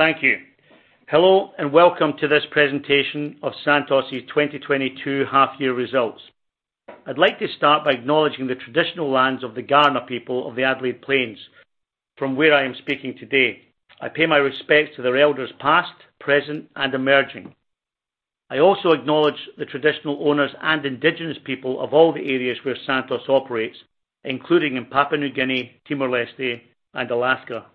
Thank you. Hello, and welcome to this presentation of Santos' 2022 half year results. I'd like to start by acknowledging the traditional lands of the Kaurna people of the Adelaide Plains from where I am speaking today. I pay my respects to their elders past, present, and emerging. I also acknowledge the traditional owners and indigenous people of all the areas where Santos operates, including in Papua New Guinea, Timor-Leste, and Alaska.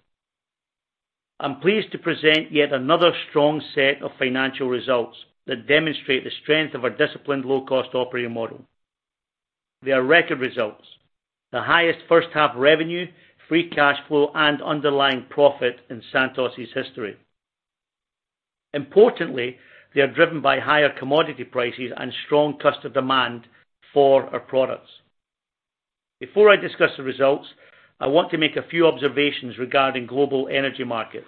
I'm pleased to present yet another strong set of financial results that demonstrate the strength of our disciplined low-cost operating model. They are record results. The highest first half revenue, free cash flow, and underlying profit in Santos' history. Importantly, they are driven by higher commodity prices and strong customer demand for our products. Before I discuss the results, I want to make a few observations regarding global energy markets.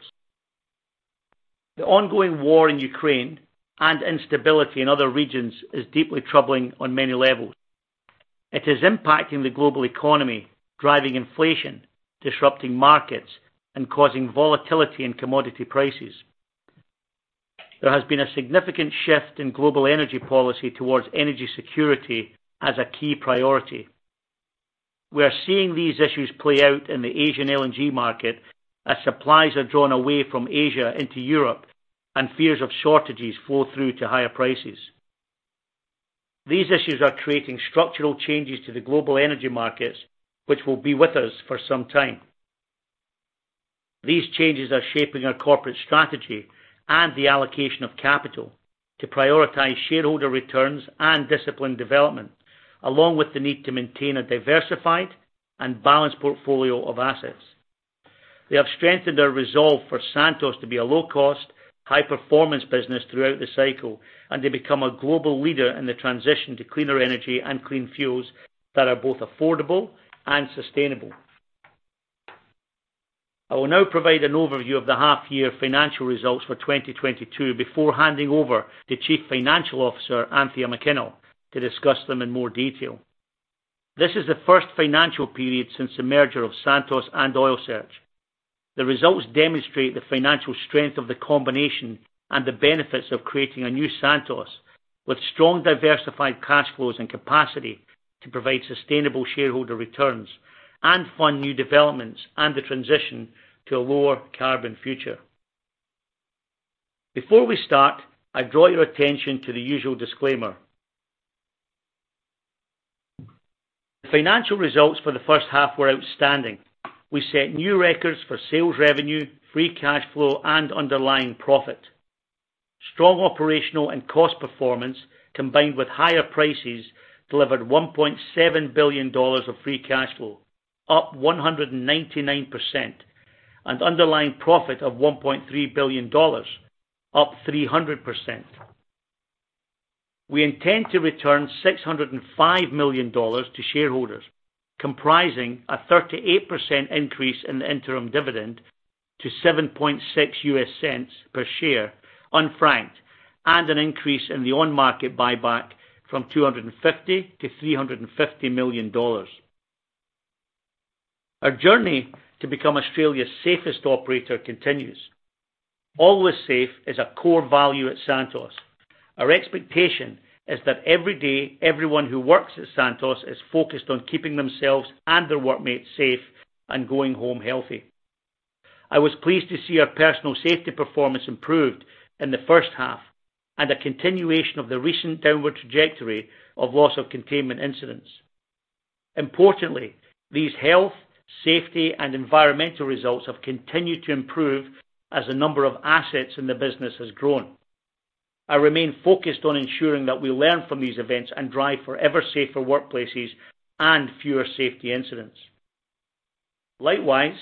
The ongoing war in Ukraine and instability in other regions is deeply troubling on many levels. It is impacting the global economy, driving inflation, disrupting markets, and causing volatility in commodity prices. There has been a significant shift in global energy policy towards energy security as a key priority. We are seeing these issues play out in the Asian LNG market as supplies are drawn away from Asia into Europe and fears of shortages flow through to higher prices. These issues are creating structural changes to the global energy markets, which will be with us for some time. These changes are shaping our corporate strategy and the allocation of capital to prioritize shareholder returns and discipline development, along with the need to maintain a diversified and balanced portfolio of assets. They have strengthened our resolve for Santos to be a low-cost, high-performance business throughout the cycle and to become a global leader in the transition to cleaner energy and clean fuels that are both affordable and sustainable. I will now provide an overview of the half-year financial results for 2022 before handing over to Chief Financial Officer Anthea McKinnell to discuss them in more detail. This is the first financial period since the merger of Santos and Oil Search. The results demonstrate the financial strength of the combination and the benefits of creating a new Santos with strong, diversified cash flows and capacity to provide sustainable shareholder returns and fund new developments and the transition to a lower carbon future. Before we start, I draw your attention to the usual disclaimer. The financial results for the first half were outstanding. We set new records for sales revenue, free cash flow, and underlying profit. Strong operational and cost performance, combined with higher prices, delivered 1.7 billion dollars of free cash flow, up 199%, and underlying profit of 1.3 billion dollars, up 300%. We intend to return 605 million dollars to shareholders, comprising a 38% increase in the interim dividend to $0.076 per share unfranked, and an increase in the on-market buyback from 250 million to 350 million dollars. Our journey to become Australia's safest operator continues. Always safe is a core value at Santos. Our expectation is that every day, everyone who works at Santos is focused on keeping themselves and their workmates safe and going home healthy. I was pleased to see our personal safety performance improved in the first half and a continuation of the recent downward trajectory of loss of containment incidents. Importantly, these health, safety, and environmental results have continued to improve as the number of assets in the business has grown. I remain focused on ensuring that we learn from these events and drive for ever safer workplaces and fewer safety incidents. Likewise,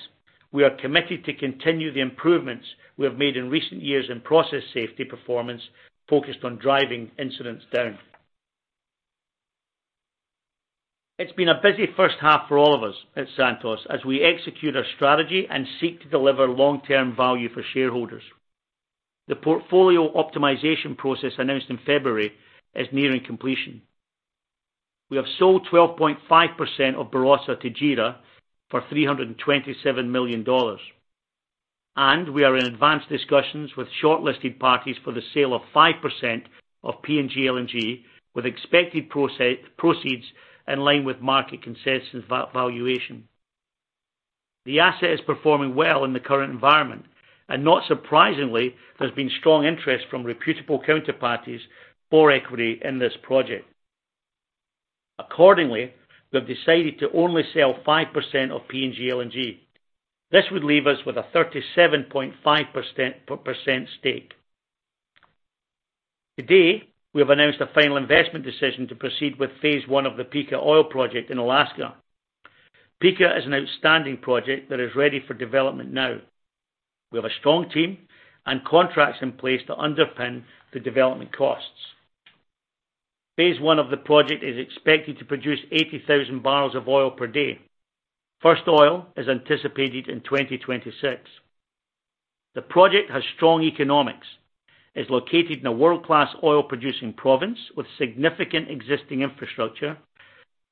we are committed to continue the improvements we have made in recent years in process safety performance focused on driving incidents down. It's been a busy first half for all of us at Santos as we execute our strategy and seek to deliver long-term value for shareholders. The portfolio optimization process announced in February is nearing completion. We have sold 12.5% of Barossa to JERA for 327 million dollars, and we are in advanced discussions with shortlisted parties for the sale of 5% of PNG LNG, with expected proceeds in line with market consensus valuation. The asset is performing well in the current environment, and not surprisingly, there's been strong interest from reputable counterparties for equity in this project. Accordingly, we have decided to only sell 5% of PNG LNG. This would leave us with a 37.5% stake. Today, we have announced a final investment decision to proceed with phase I of the Pikka oil project in Alaska. Pikka is an outstanding project that is ready for development now. We have a strong team and contracts in place to underpin the development costs. Phase one of the project is expected to produce 80,000 barrels of oil per day. First oil is anticipated in 2026. The project has strong economics, is located in a world-class oil-producing province with significant existing infrastructure. It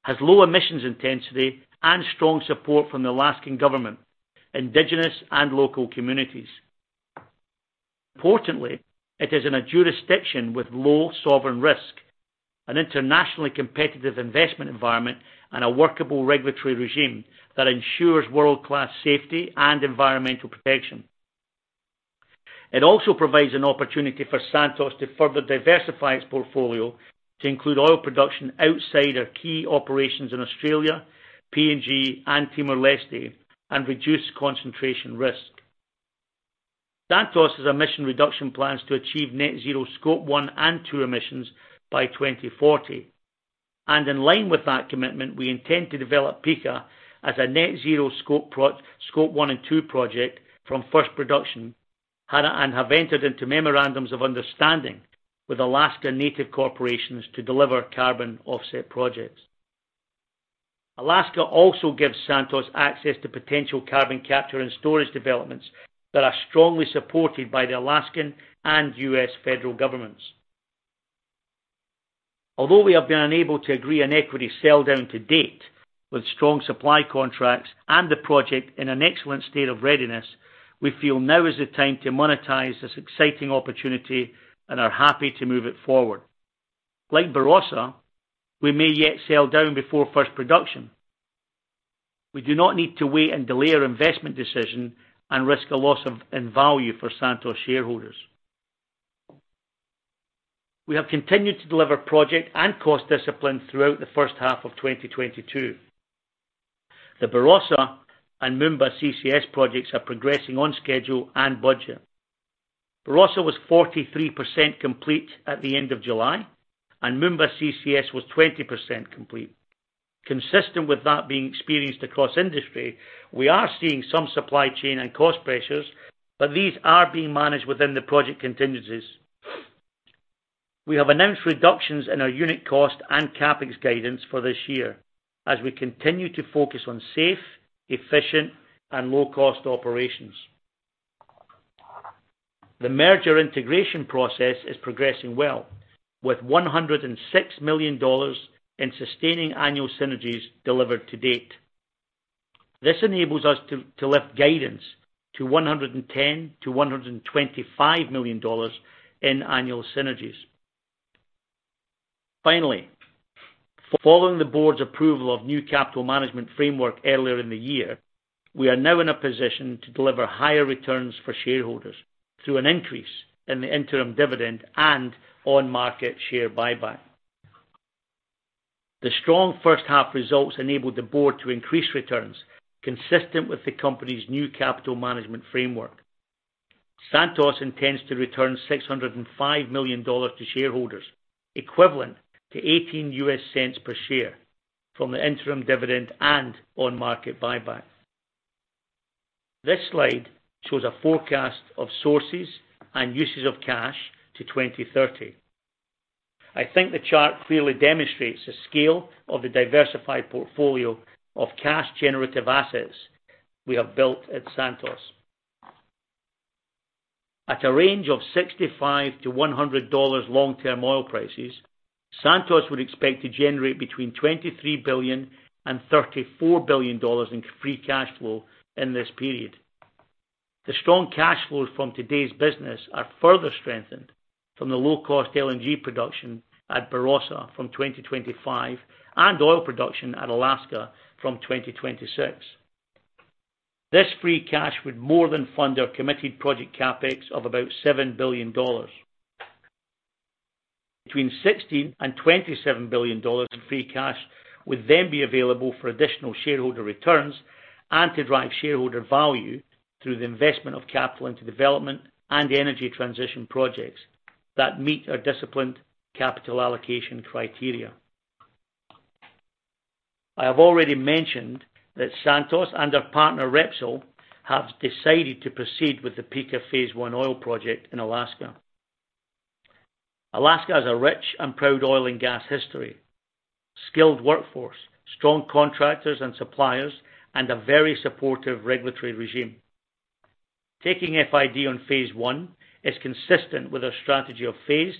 has low emissions intensity and strong support from the Alaskan government, indigenous and local communities. Importantly, it is in a jurisdiction with low sovereign risk, an internationally competitive investment environment, and a workable regulatory regime that ensures world-class safety and environmental protection. It also provides an opportunity for Santos to further diversify its portfolio to include oil production outside our key operations in Australia, PNG, and Timor-Leste, and reduce concentration risk. Santos has emission reduction plans to achieve net zero Scope 1 and 2 emissions by 2040, and in line with that commitment, we intend to develop Pikka as a net zero Scope 1 and 2 project from first production, and have entered into memorandums of understanding with Alaska Native corporations to deliver carbon offset projects. Alaska also gives Santos access to potential carbon capture and storage developments that are strongly supported by the Alaskan and U.S. federal governments. Although we have been unable to agree on equity sell down to date with strong supply contracts and the project in an excellent state of readiness, we feel now is the time to monetize this exciting opportunity and are happy to move it forward. Like Barossa, we may yet sell down before first production. We do not need to wait and delay our investment decision and risk a loss in value for Santos shareholders. We have continued to deliver project and cost discipline throughout the first half of 2022. The Barossa and Moomba CCS projects are progressing on schedule and budget. Barossa was 43% complete at the end of July, and Moomba CCS was 20% complete. Consistent with that being experienced across industry, we are seeing some supply chain and cost pressures, but these are being managed within the project contingencies. We have announced reductions in our unit cost and CapEx guidance for this year as we continue to focus on safe, efficient, and low-cost operations. The merger integration process is progressing well with 106 million dollars in sustaining annual synergies delivered to date. This enables us to lift guidance to 110-125 million dollars in annual synergies. Finally, following the board's approval of new capital management framework earlier in the year, we are now in a position to deliver higher returns for shareholders through an increase in the interim dividend and on-market share buyback. The strong first half results enabled the board to increase returns consistent with the company's new capital management framework. Santos intends to return 605 million dollars to shareholders, equivalent to $0.18 per share from the interim dividend and on-market buyback. This slide shows a forecast of sources and uses of cash to 2030. I think the chart clearly demonstrates the scale of the diversified portfolio of cash generative assets we have built at Santos. At a range of $65-$100 long-term oil prices, Santos would expect to generate between $23 billion and $34 billion in free cash flow in this period. The strong cash flows from today's business are further strengthened from the low-cost LNG production at Barossa from 2025 and oil production at Alaska from 2026. This free cash would more than fund our committed project CapEx of about $7 billion. Between $16 billion and $27 billion in free cash would then be available for additional shareholder returns and to drive shareholder value through the investment of capital into development and energy transition projects that meet our disciplined capital allocation criteria. I have already mentioned that Santos and our partner Repsol have decided to proceed with the Pikka phase 1 oil project in Alaska. Alaska has a rich and proud oil and gas history, skilled workforce, strong contractors and suppliers, and a very supportive regulatory regime. Taking FID on phase one is consistent with our strategy of phased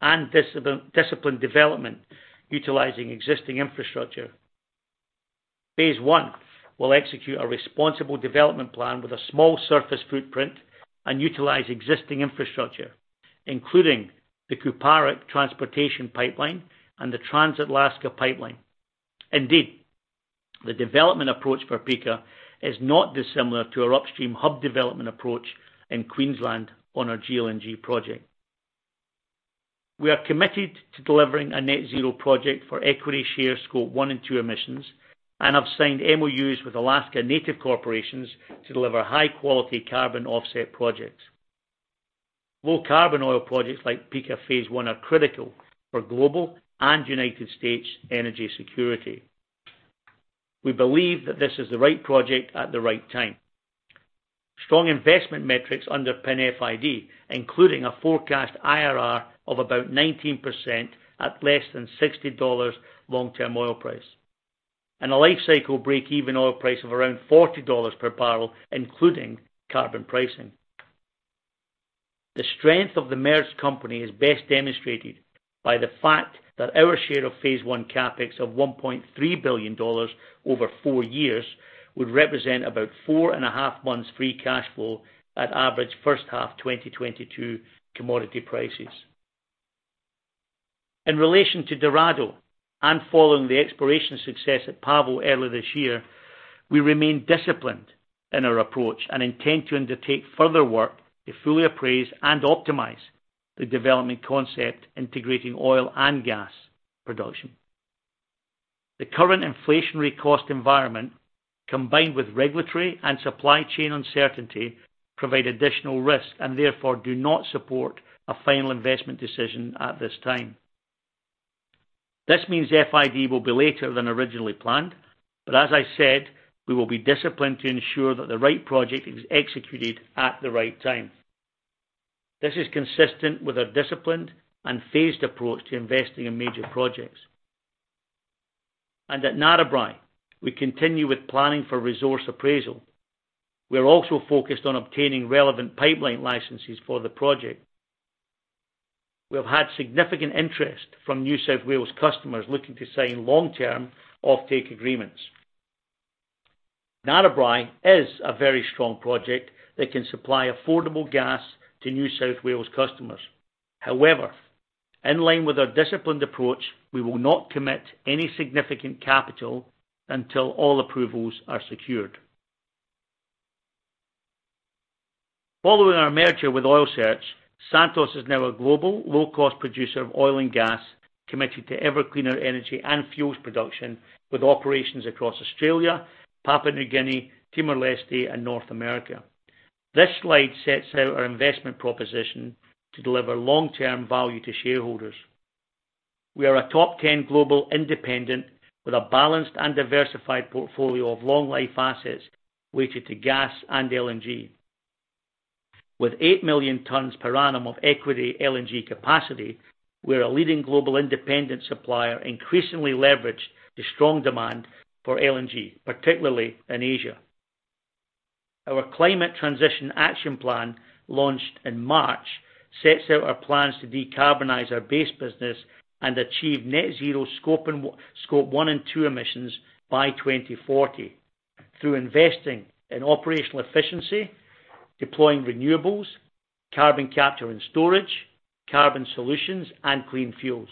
and disciplined development utilizing existing infrastructure. Phase one will execute a responsible development plan with a small surface footprint and utilize existing infrastructure, including the Kuparuk transportation pipeline and the Trans-Alaska pipeline. Indeed, the development approach for Pikka is not dissimilar to our upstream hub development approach in Queensland on our GLNG project. We are committed to delivering a net zero project for equity share Scope 1 and 2 emissions, and have signed MOUs with Alaska Native corporations to deliver high-quality carbon offset projects. Low carbon oil projects like Pikka phase I are critical for global and United States energy security. We believe that this is the right project at the right time. Strong investment metrics underpin FID, including a forecast IRR of about 19% at less than $60 long-term oil price. A life cycle break-even oil price of around $40 per barrel, including carbon pricing. The strength of the merged company is best demonstrated by the fact that our share of phase I CapEx of $1.3 billion over four years would represent about 4.5 months free cash flow at average first half 2022 commodity prices. In relation to Dorado and following the exploration success at Pavo earlier this year, we remain disciplined in our approach and intend to undertake further work to fully appraise and optimize the development concept integrating oil and gas production. The current inflationary cost environment, combined with regulatory and supply chain uncertainty, provide additional risk and therefore do not support a final investment decision at this time. This means FID will be later than originally planned, but as I said, we will be disciplined to ensure that the right project is executed at the right time. This is consistent with our disciplined and phased approach to investing in major projects. At Narrabri, we continue with planning for resource appraisal. We are also focused on obtaining relevant pipeline licenses for the project. We have had significant interest from New South Wales customers looking to sign long-term offtake agreements. Narrabri is a very strong project that can supply affordable gas to New South Wales customers. However, in line with our disciplined approach, we will not commit any significant capital until all approvals are secured. Following our merger with Oil Search, Santos is now a global low-cost producer of oil and gas committed to ever cleaner energy and fuels production with operations across Australia, Papua New Guinea, Timor-Leste and North America. This slide sets out our investment proposition to deliver long-term value to shareholders. We are a top 10 global independent with a balanced and diversified portfolio of long life assets weighted to gas and LNG. With 8 million tons per annum of equity LNG capacity, we are a leading global independent supplier, increasingly leveraged to strong demand for LNG, particularly in Asia. Our Climate Transition Action Plan, launched in March, sets out our plans to decarbonize our base business and achieve net zero Scope 1 and 2 emissions by 2040 through investing in operational efficiency, deploying renewables, carbon capture and storage, carbon solutions and clean fuels.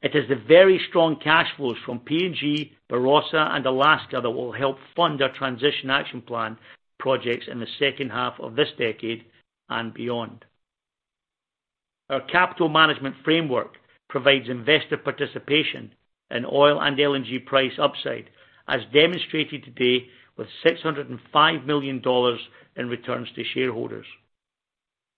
It is the very strong cash flows from PNG, Barossa and Alaska that will help fund our Transition Action Plan projects in the second half of this decade and beyond. Our capital management framework provides investor participation in oil and LNG price upside, as demonstrated today with 605 million dollars in returns to shareholders.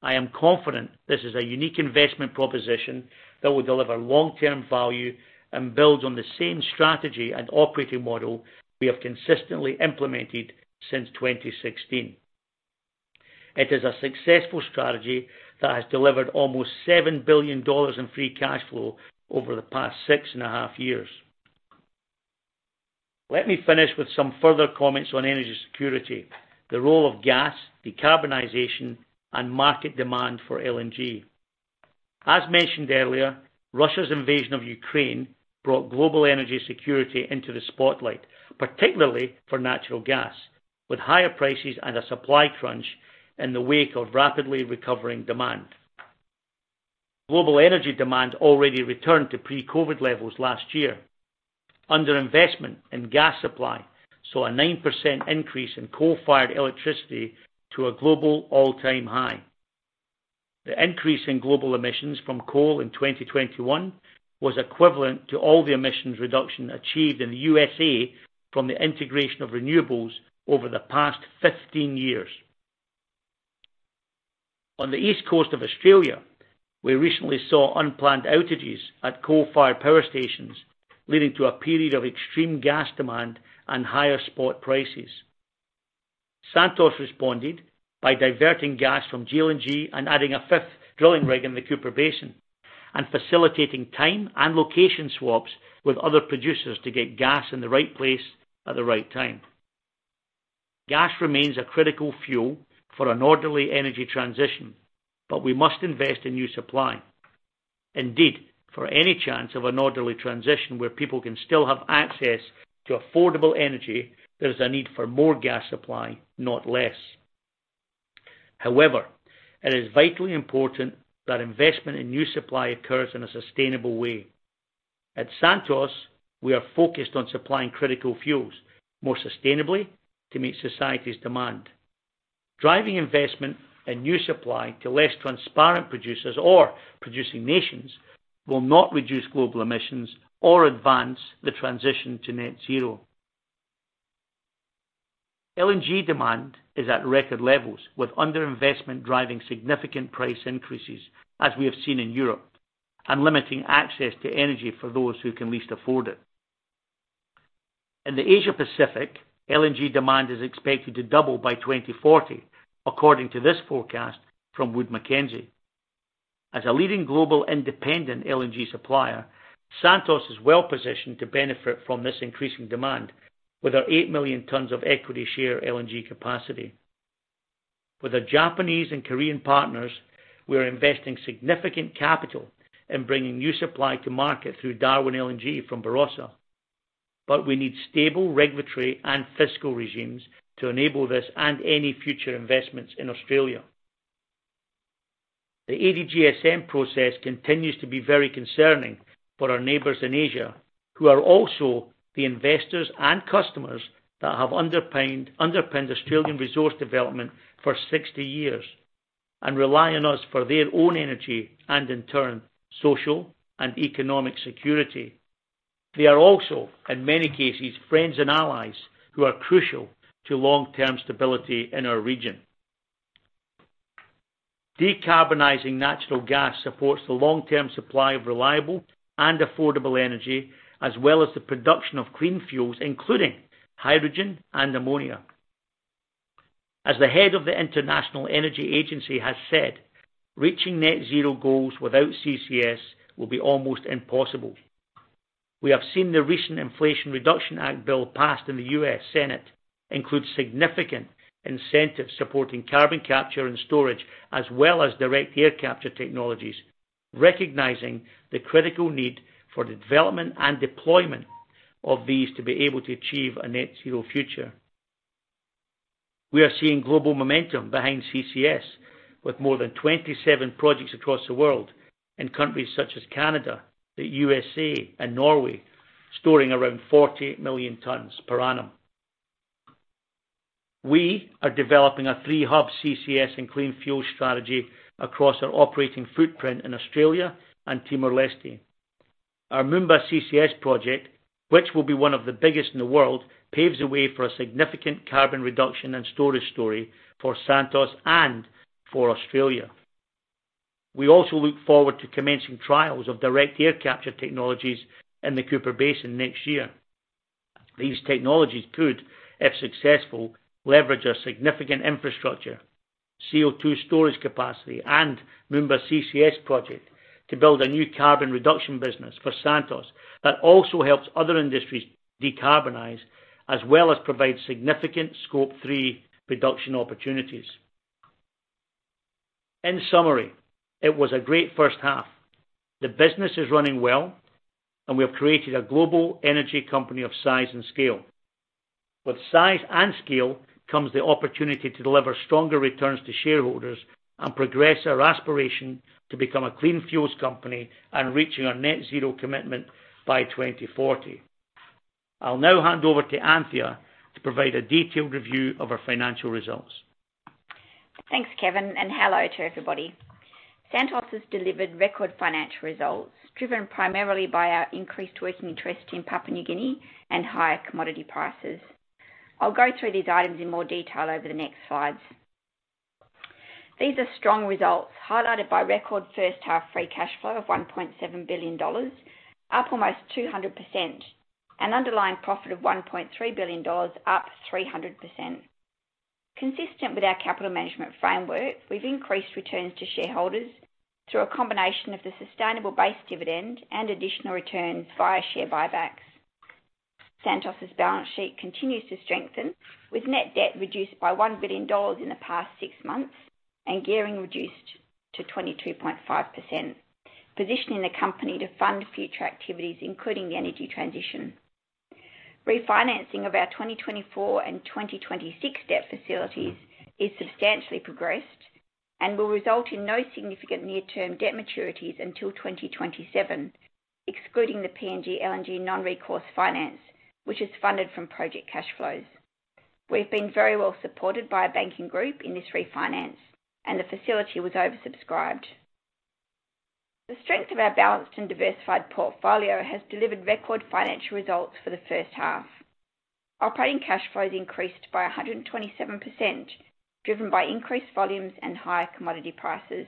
I am confident this is a unique investment proposition that will deliver long-term value and build on the same strategy and operating model we have consistently implemented since 2016. It is a successful strategy that has delivered almost 7 billion dollars in free cash flow over the past 6.5 years. Let me finish with some further comments on energy security, the role of gas, decarbonization and market demand for LNG. As mentioned earlier, Russia's invasion of Ukraine brought global energy security into the spotlight, particularly for natural gas, with higher prices and a supply crunch in the wake of rapidly recovering demand. Global energy demand already returned to pre-COVID levels last year. Underinvestment in gas supply saw a 9% increase in coal-fired electricity to a global all-time high. The increase in global emissions from coal in 2021 was equivalent to all the emissions reduction achieved in the U.S. from the integration of renewables over the past 15 years. On the east coast of Australia, we recently saw unplanned outages at coal-fired power stations, leading to a period of extreme gas demand and higher spot prices. Santos responded by diverting gas from GLNG and adding a fifth drilling rig in the Cooper Basin and facilitating time and location swaps with other producers to get gas in the right place at the right time. Gas remains a critical fuel for an orderly energy transition, but we must invest in new supply. Indeed, for any chance of an orderly transition where people can still have access to affordable energy, there is a need for more gas supply, not less. However, it is vitally important that investment in new supply occurs in a sustainable way. At Santos, we are focused on supplying critical fuels more sustainably to meet society's demand. Driving investment in new supply to less transparent producers or producing nations will not reduce global emissions or advance the transition to net zero. LNG demand is at record levels with underinvestment driving significant price increases, as we have seen in Europe, and limiting access to energy for those who can least afford it. In the Asia Pacific, LNG demand is expected to double by 2040, according to this forecast from Wood Mackenzie. As a leading global independent LNG supplier, Santos is well-positioned to benefit from this increasing demand with our 8 million tons of equity share LNG capacity. With our Japanese and Korean partners, we are investing significant capital in bringing new supply to market through Darwin LNG from Barossa. We need stable regulatory and fiscal regimes to enable this and any future investments in Australia. The ADGSM process continues to be very concerning for our neighbors in Asia, who are also the investors and customers that have underpinned Australian resource development for 60 years and rely on us for their own energy and in turn, social and economic security. They are also, in many cases, friends and allies who are crucial to long-term stability in our region. Decarbonizing natural gas supports the long-term supply of reliable and affordable energy, as well as the production of clean fuels, including hydrogen and ammonia. As the head of the International Energy Agency has said, "Reaching net zero goals without CCS will be almost impossible." We have seen the recent Inflation Reduction Act bill passed in the U.S. Senate include significant incentives supporting carbon capture and storage, as well as direct air capture technologies, recognizing the critical need for the development and deployment of these to be able to achieve a net zero future. We are seeing global momentum behind CCS with more than 27 projects across the world in countries such as Canada, the USA, and Norway, storing around 48 million tons per annum. We are developing a three hub CCS and clean fuel strategy across our operating footprint in Australia and Timor-Leste. Our Moomba CCS project, which will be one of the biggest in the world, paves the way for a significant carbon reduction and storage story for Santos and for Australia. We also look forward to commencing trials of Direct Air Capture technologies in the Cooper Basin next year. These technologies could, if successful, leverage our significant infrastructure, CO2 storage capacity, and Moomba CCS project to build a new carbon reduction business for Santos that also helps other industries decarbonize as well as provide significant Scope 3 reduction opportunities. In summary, it was a great first half. The business is running well, and we have created a global energy company of size and scale. With size and scale comes the opportunity to deliver stronger returns to shareholders and progress our aspiration to become a clean fuels company and reaching our net zero commitment by 2040. I'll now hand over to Anthea to provide a detailed review of our financial results. Thanks, Kevin, and hello to everybody. Santos has delivered record financial results driven primarily by our increased working interest in Papua New Guinea and higher commodity prices. I'll go through these items in more detail over the next slides. These are strong results highlighted by record first-half free cash flow of $1.7 billion, up almost 200%. An underlying profit of $1.3 billion, up 300%. Consistent with our capital management framework, we've increased returns to shareholders through a combination of the sustainable base dividend and additional returns via share buybacks. Santos' balance sheet continues to strengthen, with net debt reduced by $1 billion in the past six months and gearing reduced to 22.5%, positioning the company to fund future activities, including the energy transition. Refinancing of our 2024 and 2026 debt facilities is substantially progressed and will result in no significant near-term debt maturities until 2027, excluding the PNG LNG non-recourse finance, which is funded from project cash flows. We've been very well supported by a banking group in this refinance, and the facility was oversubscribed. The strength of our balanced and diversified portfolio has delivered record financial results for the first half. Operating cash flows increased by 127%, driven by increased volumes and higher commodity prices.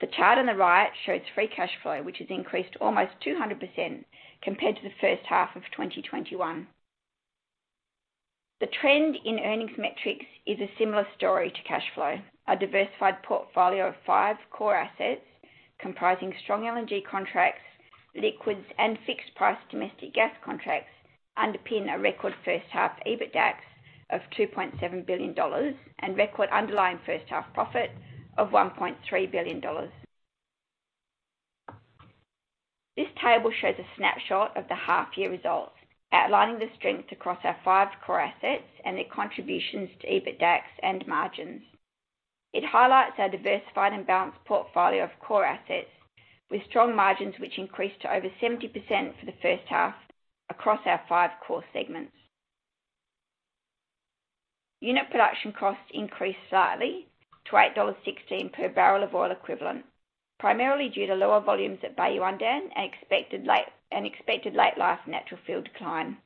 The chart on the right shows free cash flow, which has increased almost 200% compared to the first half of 2021. The trend in earnings metrics is a similar story to cash flow. A diversified portfolio of five core assets comprising strong LNG contracts, liquids, and fixed price domestic gas contracts underpin a record first-half EBITDAX of $2.7 billion and record underlying first-half profit of $1.3 billion. This table shows a snapshot of the half-year results, outlining the strengths across our five core assets and their contributions to EBITDAX and margins. It highlights our diversified and balanced portfolio of core assets with strong margins, which increased to over 70% for the first half across our five core segments. Unit production costs increased slightly to $8.16 per barrel of oil equivalent, primarily due to lower volumes at Bayu-Undan and an expected late life natural field decline.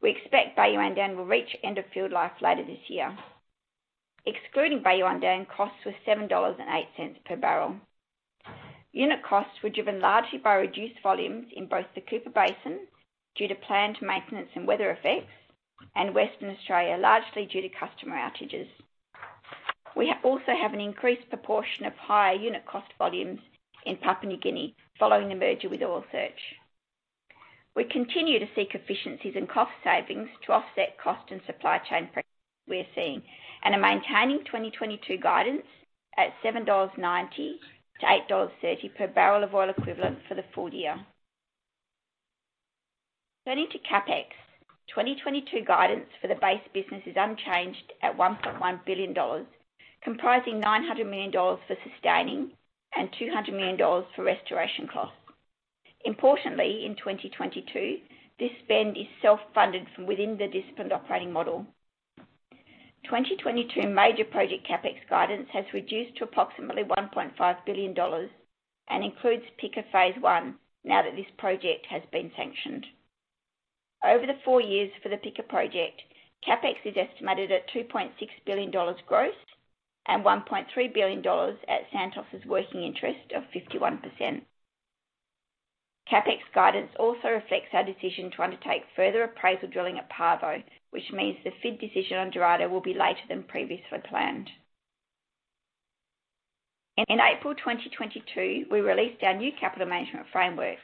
We expect Bayu-Undan will reach end of field life later this year. Excluding Bayu-Undan, costs were $7.08 per barrel. Unit costs were driven largely by reduced volumes in both the Cooper Basin, due to planned maintenance and weather effects, and Western Australia, largely due to customer outages. We also have an increased proportion of higher unit cost volumes in Papua New Guinea following the merger with Oil Search. We continue to seek efficiencies and cost savings to offset cost and supply chain pressures we are seeing, and are maintaining 2022 guidance at $7.90-$8.30 per barrel of oil equivalent for the full year. Turning to CapEx, 2022 guidance for the base business is unchanged at $1.1 billion, comprising $900 million for sustaining and $200 million for restoration costs. Importantly, in 2022, this spend is self-funded from within the disciplined operating model. 2022 major project CapEx guidance has reduced to approximately $1.5 billion and includes Pikka phase one now that this project has been sanctioned. Over the four years for the Pikka project, CapEx is estimated at $2.6 billion gross and $1.3 billion at Santos' working interest of 51%. CapEx guidance also reflects our decision to undertake further appraisal drilling at Pavo, which means the FID decision on Dorado will be later than previously planned. In April 2022, we released our new capital management framework.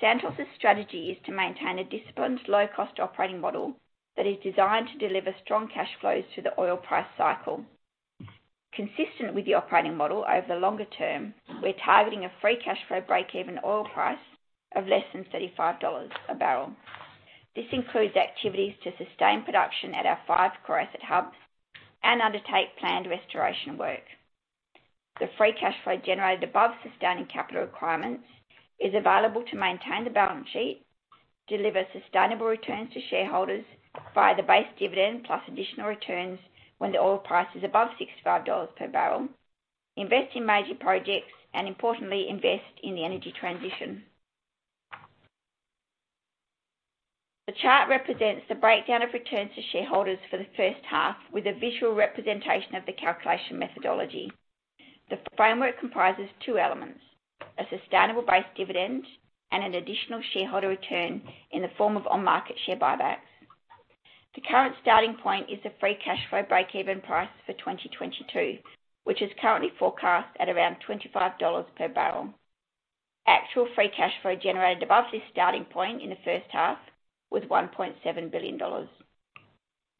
Santos' strategy is to maintain a disciplined low-cost operating model that is designed to deliver strong cash flows through the oil price cycle. Consistent with the operating model over the longer term, we're targeting a free cash flow breakeven oil price of less than $35 a barrel. This includes activities to sustain production at our five core asset hubs and undertake planned restoration work. The free cash flow generated above sustaining capital requirements is available to maintain the balance sheet, deliver sustainable returns to shareholders via the base dividend, plus additional returns when the oil price is above $65 per barrel, invest in major projects, and importantly, invest in the energy transition. The chart represents the breakdown of returns to shareholders for the first half with a visual representation of the calculation methodology. The framework comprises two elements, a sustainable base dividend and an additional shareholder return in the form of on-market share buybacks. The current starting point is the free cash flow breakeven price for 2022, which is currently forecast at around $25 per barrel. Actual free cash flow generated above this starting point in the first half was 1.7 billion dollars.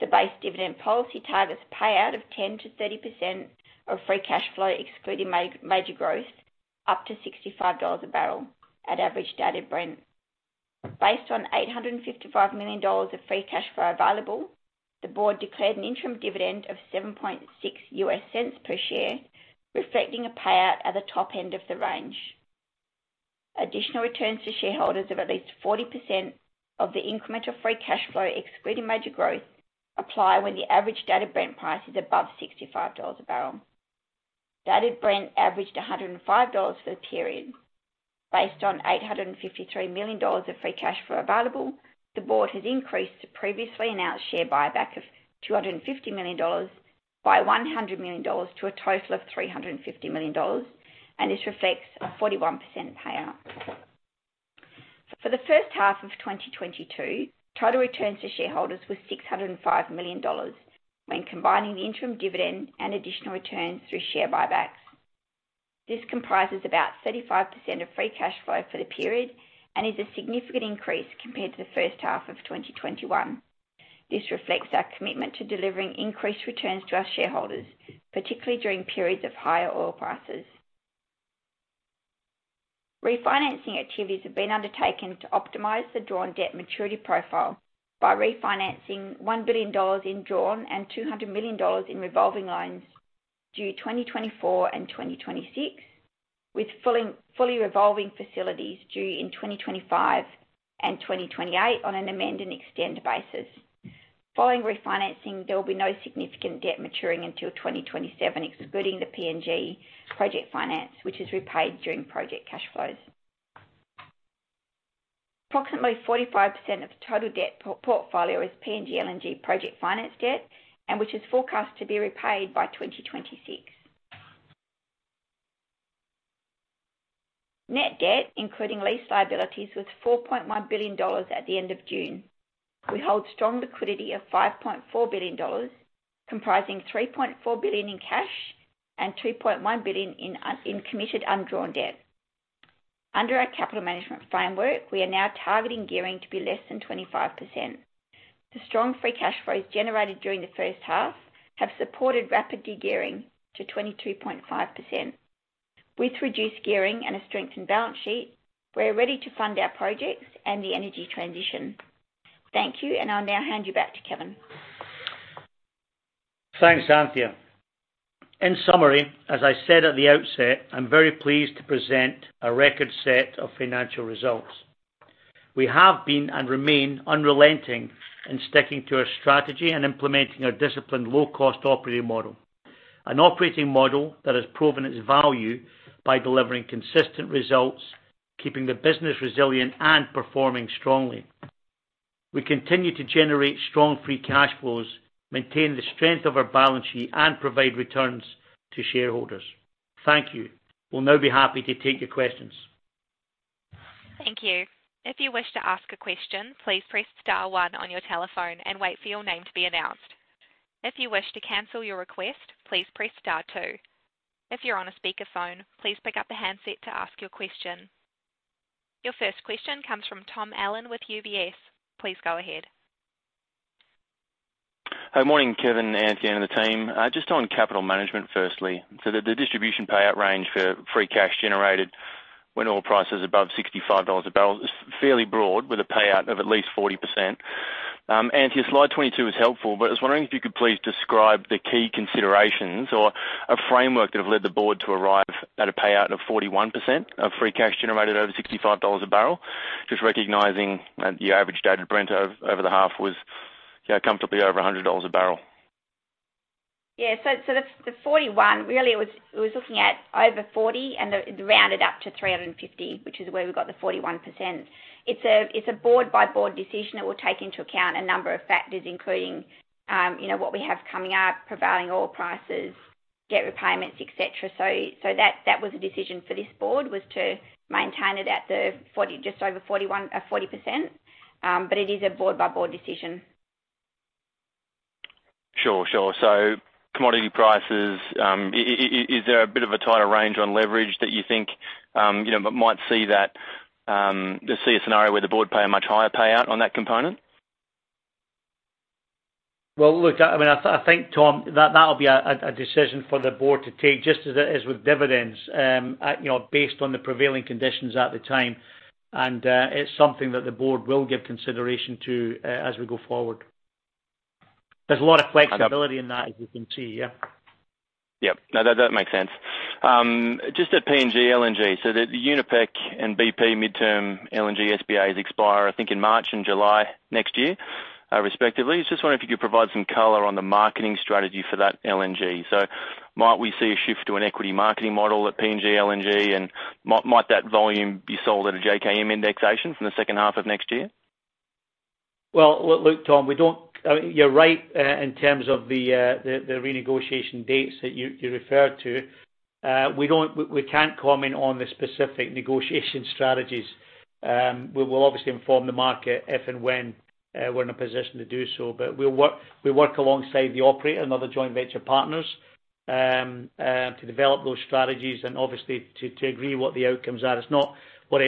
The base dividend policy targets payout of 10%-30% of free cash flow, excluding major growth, up to $65 a barrel at average Dated Brent. Based on $855 million of free cash flow available, the board declared an interim dividend of $0.076 per share, reflecting a payout at the top end of the range. Additional returns to shareholders of at least 40% of the incremental free cash flow, excluding major growth, apply when the average Dated Brent price is above $65 a barrel. Dated Brent averaged $105 for the period. Based on 853 million dollars of free cash flow available, the board has increased the previously announced share buyback of 250 million dollars by 100 million dollars to a total of 350 million dollars, and this reflects a 41% payout. For the first half of 2022, total returns to shareholders were 605 million dollars when combining the interim dividend and additional returns through share buybacks. This comprises about 35% of free cash flow for the period and is a significant increase compared to the first half of 2021. This reflects our commitment to delivering increased returns to our shareholders, particularly during periods of higher oil prices. Refinancing activities have been undertaken to optimize the drawn debt maturity profile by refinancing 1 billion dollars in drawn and 200 million dollars in revolving lines due 2024 and 2026, with fully revolving facilities due in 2025 and 2028 on an amend and extend basis. Following refinancing, there will be no significant debt maturing until 2027, excluding the PNG project finance, which is repaid during project cash flows. Approximately 45% of total debt portfolio is PNG LNG project finance debt, which is forecast to be repaid by 2026. Net debt, including lease liabilities, was 4.1 billion dollars at the end of June. We hold strong liquidity of 5.4 billion dollars, comprising 3.4 billion in cash and 2.1 billion in committed undrawn debt. Under our capital management framework, we are now targeting gearing to be less than 25%. The strong free cash flows generated during the first half have supported rapid de-gearing to 22.5%. With reduced gearing and a strengthened balance sheet, we are ready to fund our projects and the energy transition. Thank you, and I'll now hand you back to Kevin. Thanks, Anthea. In summary, as I said at the outset, I'm very pleased to present a record set of financial results. We have been, and remain, unrelenting in sticking to our strategy and implementing our disciplined low-cost operating model. An operating model that has proven its value by delivering consistent results, keeping the business resilient, and performing strongly. We continue to generate strong free cash flows, maintain the strength of our balance sheet and provide returns to shareholders. Thank you. We'll now be happy to take your questions. Thank you. If you wish to ask a question, please press star one on your telephone and wait for your name to be announced. If you wish to cancel your request, please press star two. If you're on a speaker phone, please pick up the handset to ask your question. Your first question comes from Tom Allen with UBS. Please go ahead. Hi. Morning, Kevin, Anthea, and the team. Just on capital management, firstly. The distribution payout range for free cash generated when oil price is above $65 a barrel is fairly broad, with a payout of at least 40%. Anthea, slide 22 is helpful, but I was wondering if you could please describe the key considerations or a framework that have led the board to arrive at a payout of 41% of free cash generated over $65 a barrel. Just recognizing that your average Dated Brent over the half was, you know, comfortably over $100 a barrel. Yeah. The 41 really was looking at over 40 and rounded up to 350, which is where we got the 41%. It's a board by board decision that will take into account a number of factors, including you know what we have coming up, prevailing oil prices, debt repayments, et cetera. That was a decision for this board, was to maintain it at the 40, just over 41, 40%. It is a board by board decision. Sure, sure. Commodity prices, is there a bit of a tighter range on leverage that you think, you know, might see that, see a scenario where the board pay a much higher payout on that component? Well, look, I mean, I think, Tom, that that'll be a decision for the board to take, just as it is with dividends, you know, based on the prevailing conditions at the time. It's something that the board will give consideration to as we go forward. There's a lot of flexibility in that, as you can see. Yeah. Yeah. No, that makes sense. Just at PNG LNG, so the Uniper and BP midterm LNG SPAs expire, I think, in March and July next year, respectively. I just wonder if you could provide some color on the marketing strategy for that LNG. Might we see a shift to an equity marketing model at PNG LNG and might that volume be sold at a JKM indexation from the second half of next year? Well, look, Tom, we don't I mean, you're right in terms of the renegotiation dates that you referred to. We can't comment on the specific negotiation strategies. We will obviously inform the market if and when we're in a position to do so. We'll work, we work alongside the operator and other joint venture partners to develop those strategies and obviously to agree what the outcomes are. It's not what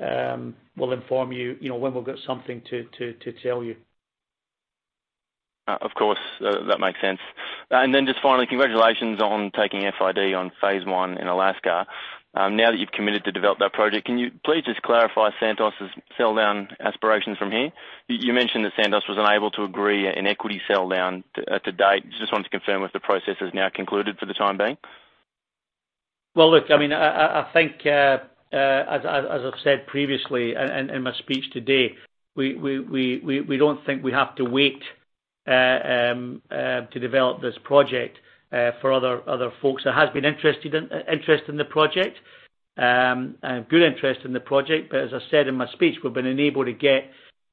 any one party wants. We'll inform you know, when we've got something to tell you. Of course, that makes sense. Just finally, congratulations on taking FID on phase one in Alaska. Now that you've committed to develop that project, can you please just clarify Santos's sell down aspirations from here? You mentioned that Santos was unable to agree an equity sell down to date. Just wanted to confirm if the process has now concluded for the time being. Well, look, I mean, I think as I've said previously in my speech today, we don't think we have to wait to develop this project for other folks. There has been interest in the project and good interest in the project. As I said in my speech, we've been unable to get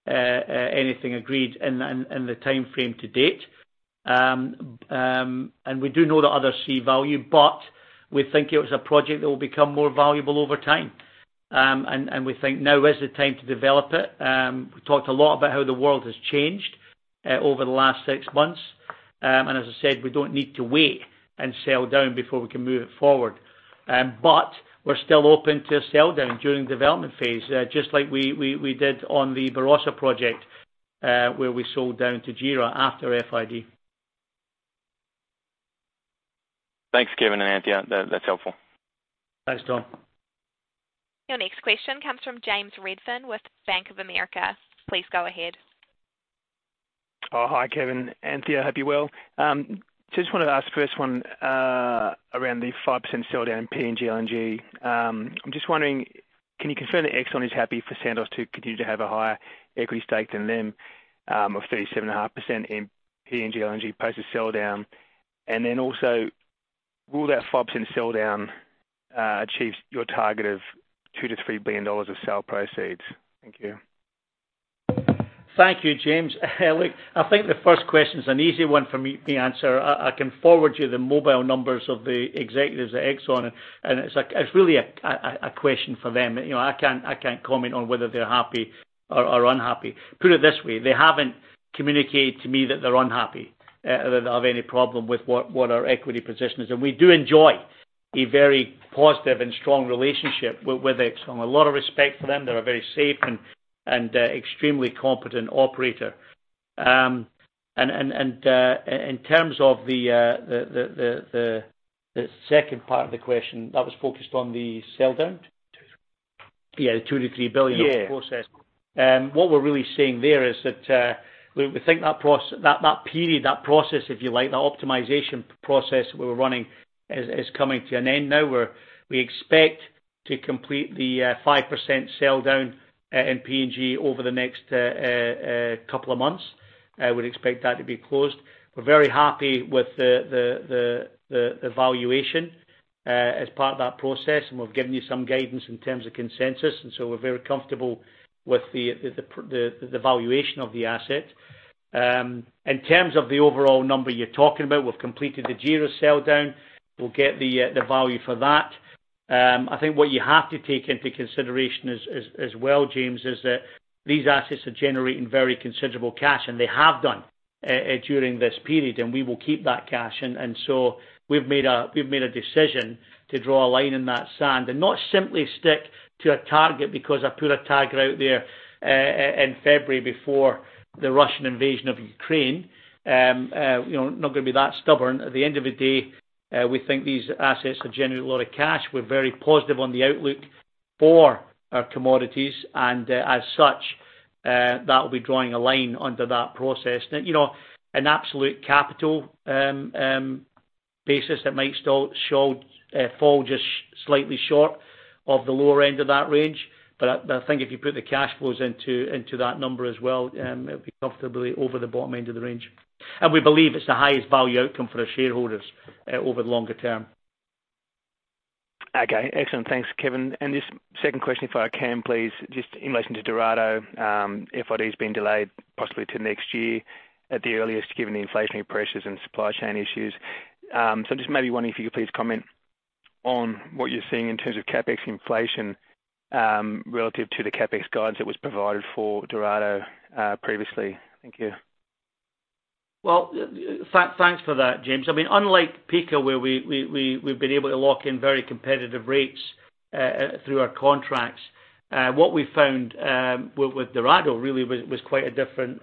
anything agreed in the timeframe to date. We do know that others see value, but we think it was a project that will become more valuable over time. We think now is the time to develop it. We talked a lot about how the world has changed over the last six months. As I said, we don't need to wait and sell down before we can move it forward. We're still open to sell down during development phase, just like we did on the Barossa project, where we sold down to JERA after FID. Thanks, Kevin and Anthea. That's helpful. Thanks, Tom. Your next question comes from James Redfern with Bank of America. Please go ahead. Oh, hi, Kevin, Anthea. Hope you're well. Just wanted to ask first one, around the 5% sell down in PNG LNG. I'm just wondering, can you confirm that ExxonMobil is happy for Santos to continue to have a higher equity stake than them, of 37.5% in PNG LNG post the sell down? Will that 5% sell down achieve your target of $2 billion-$3 billion of sell proceeds? Thank you. Thank you, James. Look, I think the first question is an easy one for me answer. I can forward you the mobile numbers of the executives at ExxonMobil, and it's like, it's really a question for them. You know, I can't comment on whether they're happy or unhappy. Put it this way, they haven't communicated to me that they're unhappy or that they have any problem with what our equity position is. We do enjoy a very positive and strong relationship with ExxonMobil. A lot of respect for them. They're a very safe and extremely competent operator. In terms of the second part of the question that was focused on the sell down. 2 billion-3 billion. Yeah, the 2 billion-3 billion of the process. Yeah. What we're really saying there is that we think that that period, that process, if you like, that optimization process we're running is coming to an end now, where we expect to complete the 5% sell down in PNG over the next couple of months. I would expect that to be closed. We're very happy with the valuation as part of that process, and we've given you some guidance in terms of consensus. We're very comfortable with the valuation of the asset. In terms of the overall number you're talking about, we've completed the JERA sell-down. We'll get the value for that. I think what you have to take into consideration as well, James, is that these assets are generating very considerable cash, and they have done during this period, and we will keep that cash. We've made a decision to draw a line in that sand and not simply stick to a target because I put a target out there in February before the Russian invasion of Ukraine. You know, not gonna be that stubborn. At the end of the day, we think these assets are generating a lot of cash. We're very positive on the outlook for our commodities, and as such, that will be drawing a line under that process. Now, you know, an absolute capital basis that might still show fall just slightly short of the lower end of that range. I think if you put the cash flows into that number as well, it'll be comfortably over the bottom end of the range. We believe it's the highest value outcome for our shareholders over the longer term. Okay. Excellent. Thanks, Kevin. Just second question if I can, please. Just in relation to Dorado, FID's been delayed possibly to next year at the earliest, given the inflationary pressures and supply chain issues. Just maybe wondering if you could please comment on what you're seeing in terms of CapEx inflation, relative to the CapEx guidance that was provided for Dorado, previously. Thank you. Well, thanks for that, James. I mean, unlike Pikka, where we've been able to lock in very competitive rates through our contracts. What we found with Dorado really was quite a different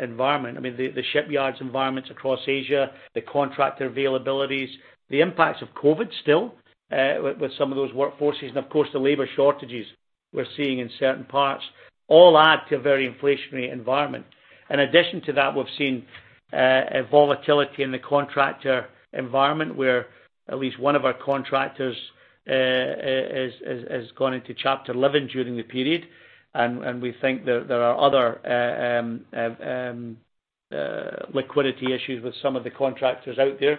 environment. I mean, the shipyards environments across Asia, the contract availabilities, the impacts of COVID still with some of those workforces, and of course, the labor shortages we're seeing in certain parts, all add to a very inflationary environment. In addition to that, we've seen a volatility in the contractor environment, where at least one of our contractors is going into Chapter 11 during the period. We think there are other liquidity issues with some of the contractors out there.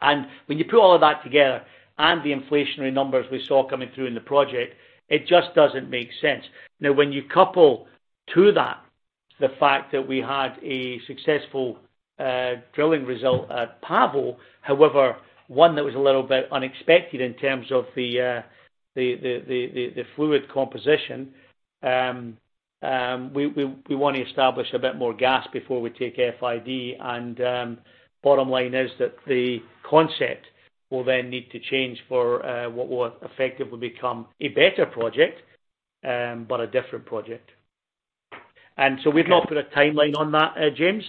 When you put all of that together and the inflationary numbers we saw coming through in the project, it just doesn't make sense. Now, when you couple that to the fact that we had a successful drilling result at Pavo, however, one that was a little bit unexpected in terms of the fluid composition, we want to establish a bit more gas before we take FID. Bottom line is that the concept will then need to change for what will effectively become a better project, but a different project. Okay. Put a timeline on that, James.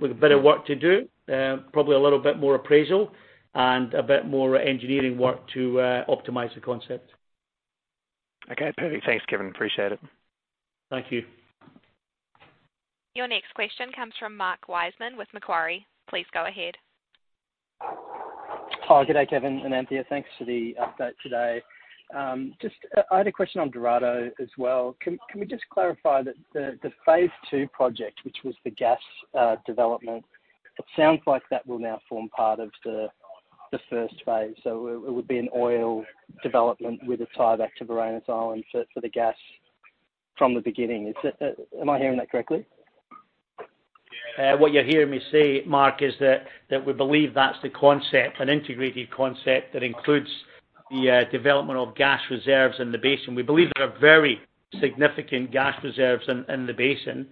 We've a bit of work to do, probably a little bit more appraisal and a bit more engineering work to optimize the concept. Okay, perfect. Thanks, Kevin. Appreciate it. Thank you. Your next question comes from Mark Wiseman with Macquarie. Please go ahead. Hi. Good day, Kevin and Anthea. Thanks for the update today. Just, I had a question on Dorado as well. Can you just clarify that the phase II project, which was the gas development, it sounds like that will now form part of the first phase. It would be an oil development with a tieback to Varanus Island for the gas from the beginning. Is that? Am I hearing that correctly? What you're hearing me say, Mark, is that we believe that's the concept, an integrated concept that includes the development of gas reserves in the basin. We believe there are very significant gas reserves in the basin.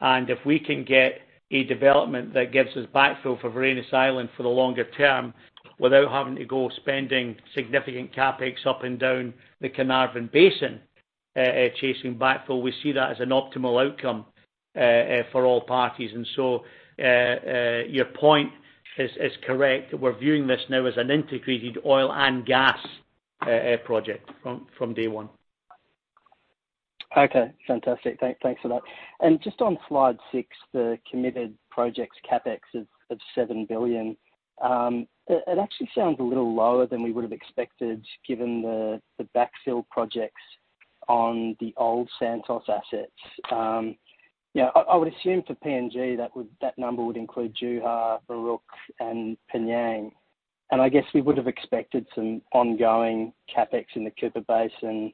If we can get a development that gives us backfill for Varanus Island for the longer term without having to go spending significant CapEx up and down the Carnarvon Basin, chasing backfill, we see that as an optimal outcome for all parties. Your point is correct. We're viewing this now as an integrated oil and gas project from day one. Okay, fantastic. Thanks for that. Just on slide six, the committed projects CapEx of 7 billion. It actually sounds a little lower than we would have expected, given the backfill projects on the old Santos assets. You know, I would assume for PNG that number would include Juha, P'nyang, and PNG. I guess we would have expected some ongoing CapEx in the Cooper Basin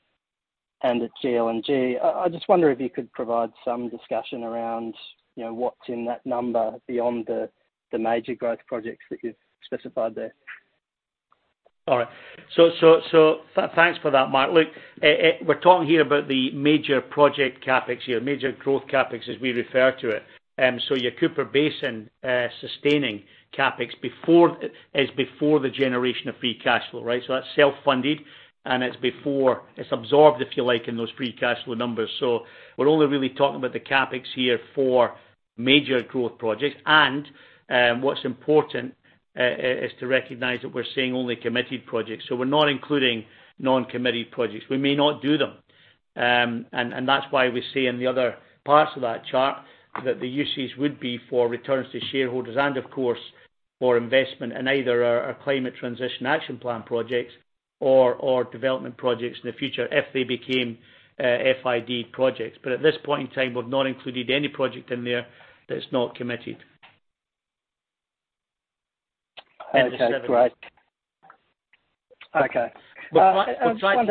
and at GLNG. I just wonder if you could provide some discussion around, you know, what's in that number beyond the major growth projects that you've specified there. All right. Thanks for that, Mark. Look, we're talking here about the major project CapEx here, major growth CapEx as we refer to it. Your Cooper Basin sustaining CapEx is before the generation of free cash flow, right? That's self-funded, and it's absorbed, if you like, in those free cash flow numbers. We're only really talking about the CapEx here for major growth projects. What's important is to recognize that we're seeing only committed projects. We're not including non-committed projects. We may not do them. That's why we say in the other parts of that chart that the usage would be for returns to shareholders and of course for investment in either our Climate Transition Action Plan projects or development projects in the future if they became FID projects. At this point in time, we've not included any project in there that is not committed. Okay. Great. In the seven. Okay. I was wondering- We'll try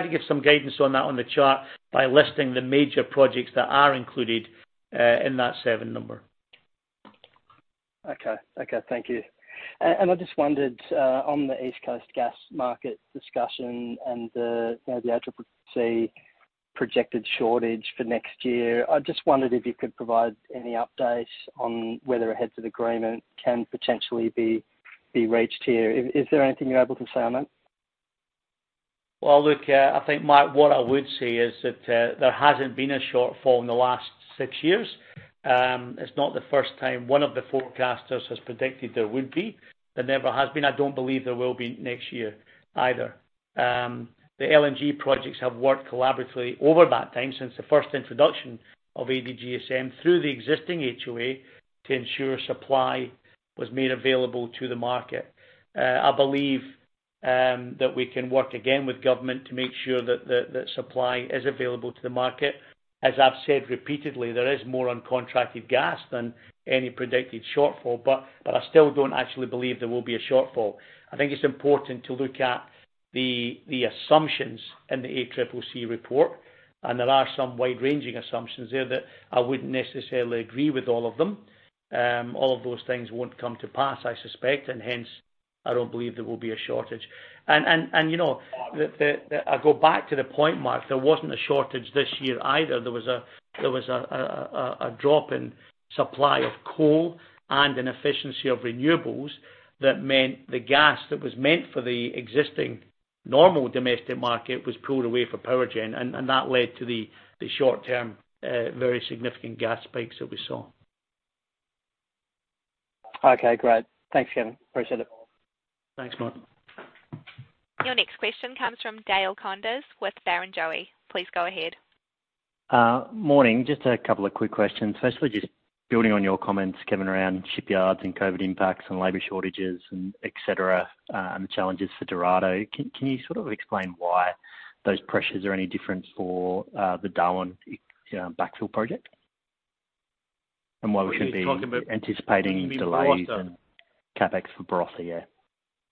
to give some guidance on that on the chart by listing the major projects that are included in that seven number. Okay. Thank you. I just wondered on the East Coast gas market discussion and the, you know, the ACCC projected shortage for next year. I just wondered if you could provide any updates on whether a heads of agreement can potentially be reached here. Is there anything you're able to say on that? Well, look, I think, Mark, what I would say is that, there hasn't been a shortfall in the last six years. It's not the first time one of the forecasters has predicted there would be. There never has been. I don't believe there will be next year either. The LNG projects have worked collaboratively over that time since the first introduction of ADGSM through the existing HOA to ensure supply was made available to the market. I believe that we can work again with government to make sure that the supply is available to the market. As I've said repeatedly, there is more uncontracted gas than any predicted shortfall, but I still don't actually believe there will be a shortfall. I think it's important to look at the assumptions in the ACCC report, and there are some wide-ranging assumptions there that I wouldn't necessarily agree with all of them. All of those things won't come to pass, I suspect, and hence, I don't believe there will be a shortage. You know, I go back to the point, Mark, there wasn't a shortage this year either. There was a drop in supply of coal and an inefficiency of renewables that meant the gas that was meant for the existing normal domestic market was pulled away for power gen, and that led to the short term, very significant gas spikes that we saw. Okay, great. Thanks, Kevin. Appreciate it. Thanks, Mark. Your next question comes from Dale Koenders with Barrenjoey. Please go ahead. Morning. Just a couple of quick questions. Firstly, just building on your comments, Kevin, around shipyards and COVID impacts and labor shortages and et cetera, and the challenges for Dorado. Can you sort of explain why those pressures are any different for the Darwin backfill project? Why we should be- Which are you talking about? -anticipating delays and- You mean Barossa? CapEx for Barossa, yeah.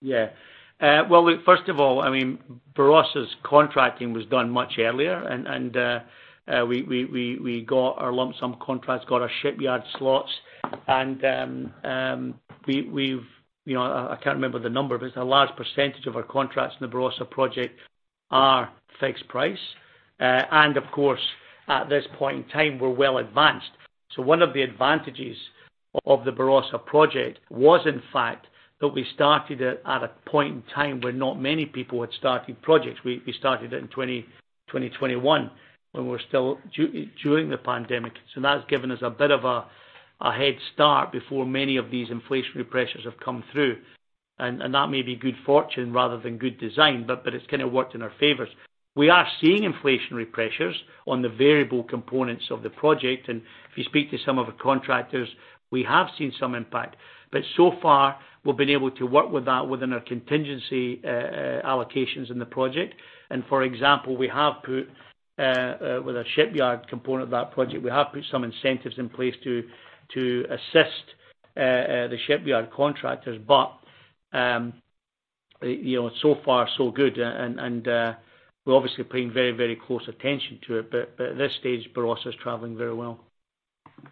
Yeah. Well, look, first of all, I mean, Barossa's contracting was done much earlier and we got our lump sum contracts, got our shipyard slots, and we've. You know, I can't remember the number, but it's a large percentage of our contracts in the Barossa project are fixed price. Of course, at this point in time, we're well advanced. One of the advantages of the Barossa project was in fact that we started it at a point in time where not many people had started projects. We started it in 2021 when we're still during the pandemic. That's given us a bit of a head start before many of these inflationary pressures have come through. that may be good fortune rather than good design, but it's kinda worked in our favors. We are seeing inflationary pressures on the variable components of the project, and if you speak to some of the contractors, we have seen some impact. So far, we've been able to work with that within our contingency allocations in the project. For example, with our shipyard component of that project, we have put some incentives in place to assist the shipyard contractors. You know, so far so good. We're obviously paying very, very close attention to it, but at this stage, Barossa is traveling very well.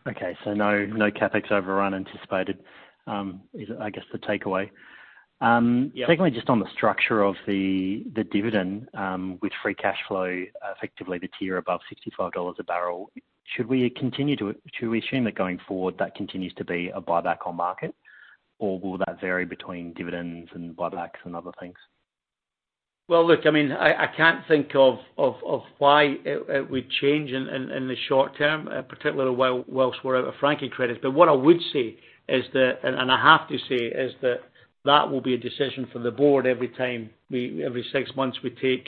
Okay. No, no CapEx overrun anticipated, is I guess the takeaway. Yeah. Secondly, just on the structure of the dividend with free cash flow, effectively the tier above $65 a barrel. Should we assume that going forward, that continues to be a buyback on market, or will that vary between dividends and buybacks and other things? Well, look, I mean, I can't think of why it would change in the short term, particularly whilst we're out of franking credits. What I would say is that, and I have to say is that will be a decision for the board every six months we take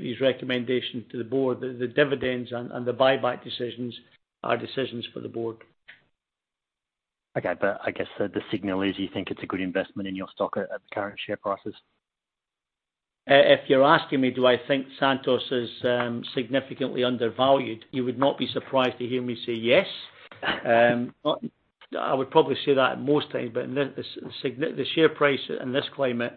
these recommendations to the board. The dividends and the buyback decisions are decisions for the board. Okay. I guess the signal is you think it's a good investment in your stock at the current share prices. If you're asking me do I think Santos is significantly undervalued, you would not be surprised to hear me say yes. I would probably say that most times, but in this, the share price in this climate,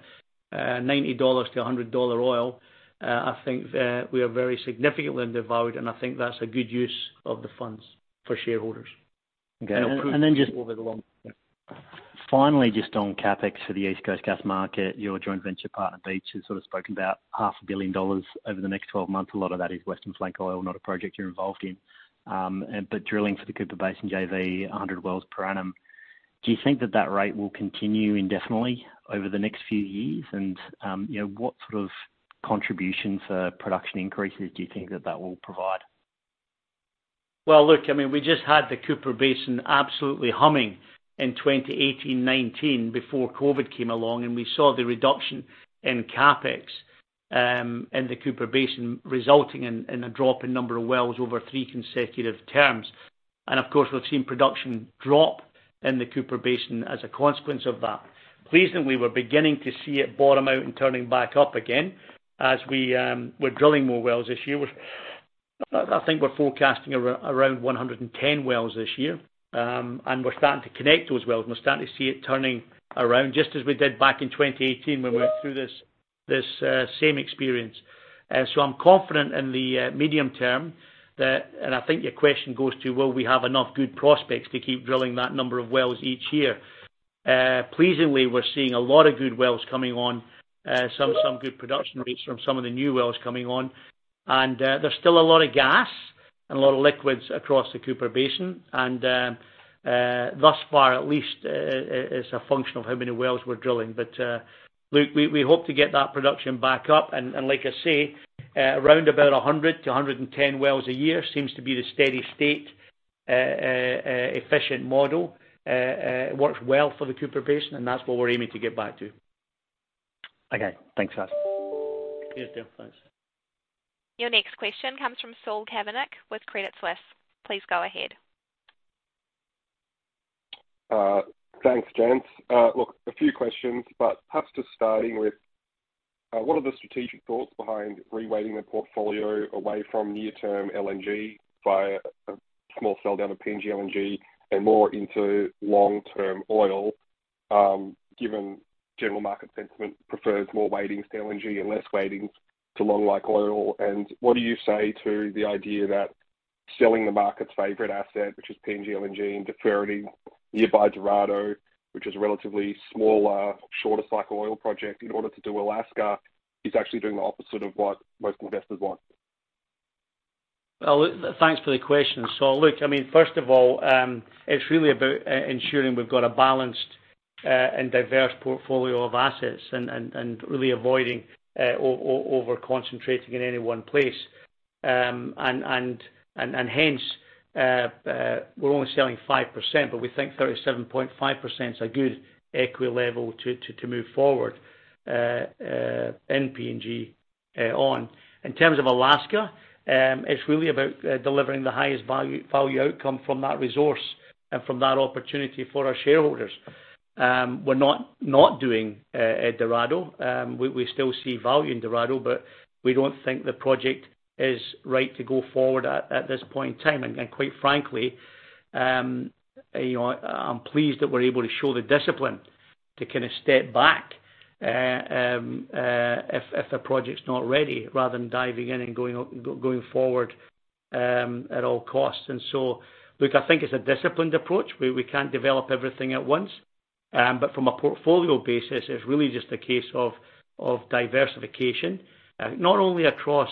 $90-$100 oil, I think we are very significantly devalued, and I think that's a good use of the funds for shareholders. Okay. It'll prove over the long term. Finally, just on CapEx for the East Coast gas market. Your joint venture partner, Beach, has sort of spoken about half a billion dollars over the next 12 months. A lot of that is Western Flank Oil, not a project you're involved in. Drilling for the Cooper Basin JV, 100 wells per annum. Do you think that rate will continue indefinitely over the next few years? You know, what sort of contributions for production increases do you think that will provide? Well, look, I mean, we just had the Cooper Basin absolutely humming in 2018, 2019 before COVID came along, and we saw the reduction in CapEx in the Cooper Basin, resulting in a drop in number of wells over three consecutive terms. Of course, we've seen production drop in the Cooper Basin as a consequence of that. Pleasingly, we're beginning to see it bottom out and turning back up again as we're drilling more wells this year. I think we're forecasting around 110 wells this year. We're starting to connect those wells, and we're starting to see it turning around, just as we did back in 2018 when we went through this same experience. I'm confident in the medium term that I think your question goes to, will we have enough good prospects to keep drilling that number of wells each year? Pleasingly, we're seeing a lot of good wells coming on. Some good production rates from some of the new wells coming on. There's still a lot of gas and a lot of liquids across the Cooper Basin, and thus far, at least it's a function of how many wells we're drilling. Look, we hope to get that production back up. Like I say, around about 100-110 wells a year seems to be the steady-state efficient model. It works well for the Cooper Basin, and that's what we're aiming to get back to. Okay. Thanks, Gus. Yeah. Thanks. Your next question comes from Saul Kavonic with Credit Suisse. Please go ahead. Thanks, Chance. Look, a few questions, but perhaps just starting with, what are the strategic thoughts behind reweighting the portfolio away from near-term LNG via a small sell down of PNG LNG and more into long-term oil, given general market sentiment prefers more weighting to LNG and less weighting to long-life oil? What do you say to the idea that selling the market's favorite asset, which is PNG LNG, and deferring near-term Dorado, which is a relatively smaller, shorter cycle oil project, in order to do Alaska, is actually doing the opposite of what most investors want? Well, look, thanks for the question. Look, I mean, first of all, it's really about ensuring we've got a balanced and diverse portfolio of assets and really avoiding over concentrating in any one place. Hence, we're only selling 5%, but we think 37.5% is a good equity level to move forward in PNG on. In terms of Alaska, it's really about delivering the highest value outcome from that resource and from that opportunity for our shareholders. We're not doing Dorado. We still see value in Dorado, but we don't think the project is right to go forward at this point in time. Quite frankly, you know, I'm pleased that we're able to show the discipline to kinda step back, if a project's not ready, rather than diving in and going forward at all costs. Look, I think it's a disciplined approach. We can't develop everything at once. But from a portfolio basis, it's really just a case of diversification, not only across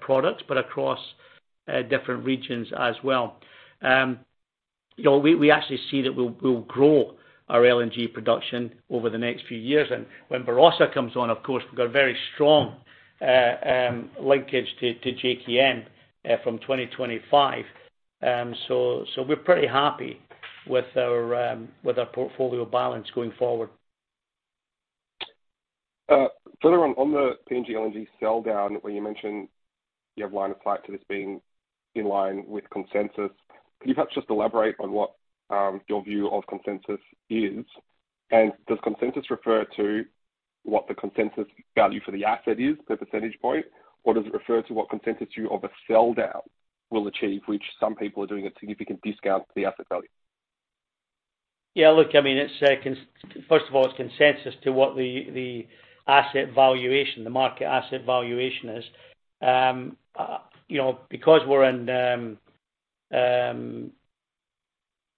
products, but across different regions as well. You know, we actually see that we'll grow our LNG production over the next few years. When Barossa comes on, of course, we've got a very strong linkage to JKM from 2025. So we're pretty happy with our portfolio balance going forward. Further on the PNG LNG sell down, where you mentioned you have line of sight to this being in line with consensus, could you perhaps just elaborate on what your view of consensus is? Does consensus refer to what the consensus value for the asset is per percentage point, or does it refer to what consensus view of a sell down will achieve, which some people are doing at a significant discount to the asset value? Yeah, look, I mean, First of all, it's consensus to what the asset valuation, the market asset valuation is. You know, because we're in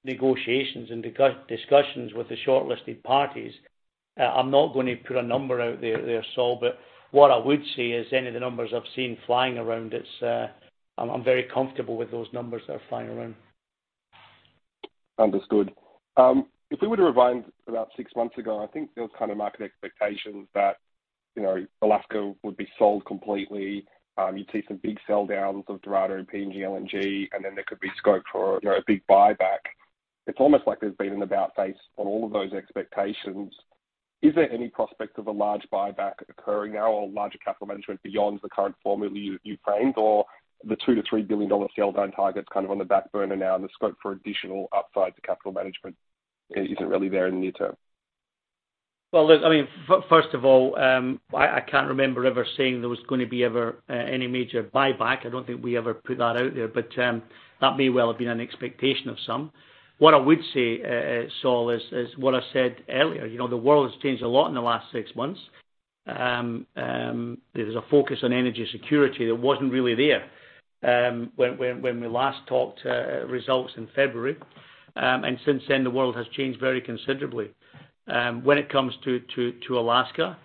negotiations and discussions with the shortlisted parties, I'm not going to put a number out there, Saul. What I would say is any of the numbers I've seen flying around, it's, I'm very comfortable with those numbers that are flying around. Understood. If we were to rewind about six months ago, I think there was kind of market expectations that, you know, Alaska would be sold completely. You'd see some big sell downs of Dorado and PNG LNG, and then there could be scope for, you know, a big buyback. It's almost like there's been an about-face on all of those expectations. Is there any prospect of a large buyback occurring now or larger capital management beyond the current formula you framed, or the 2 billion-3 billion dollar sell down target's kind of on the back burner now, and the scope for additional upside to capital management isn't really there in the near term? Well, look, I mean, first of all, I can't remember ever saying there was gonna be any major buyback. I don't think we ever put that out there. That may well have been an expectation of some. What I would say, Saul, is what I said earlier. You know, the world has changed a lot in the last six months. There's a focus on energy security that wasn't really there when we last talked, results in February. Since then, the world has changed very considerably. When it comes to Alaska,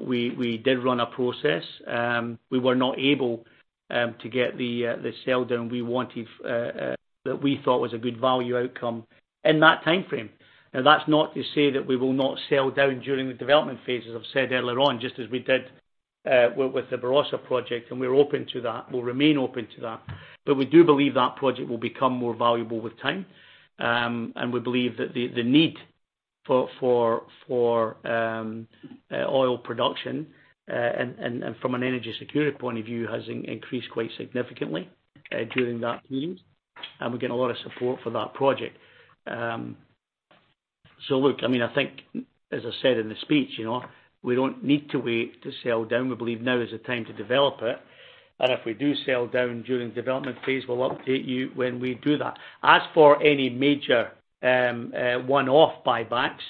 we did run a process. We were not able to get the sell down we wanted that we thought was a good value outcome in that timeframe. Now, that's not to say that we will not sell down during the development phases. I've said earlier on, just as we did with the Barossa project, and we're open to that. We'll remain open to that. But we do believe that project will become more valuable with time. And we believe that the need for oil production and from an energy security point of view has increased quite significantly during that period, and we're getting a lot of support for that project. So look, I mean, I think as I said in the speech, you know, we don't need to wait to sell down. We believe now is the time to develop it. If we do sell down during development phase, we'll update you when we do that. As for any major one-off buybacks,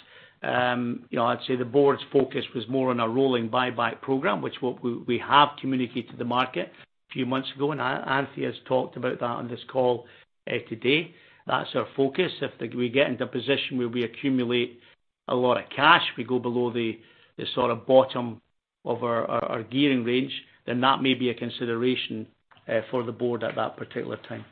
you know, I'd say the board's focus was more on a rolling buyback program, which we have communicated to the market a few months ago, and Anthea has talked about that on this call today. That's our focus. If we get into a position where we accumulate a lot of cash, we go below the sort of bottom of our gearing range, then that may be a consideration for the board at that particular time.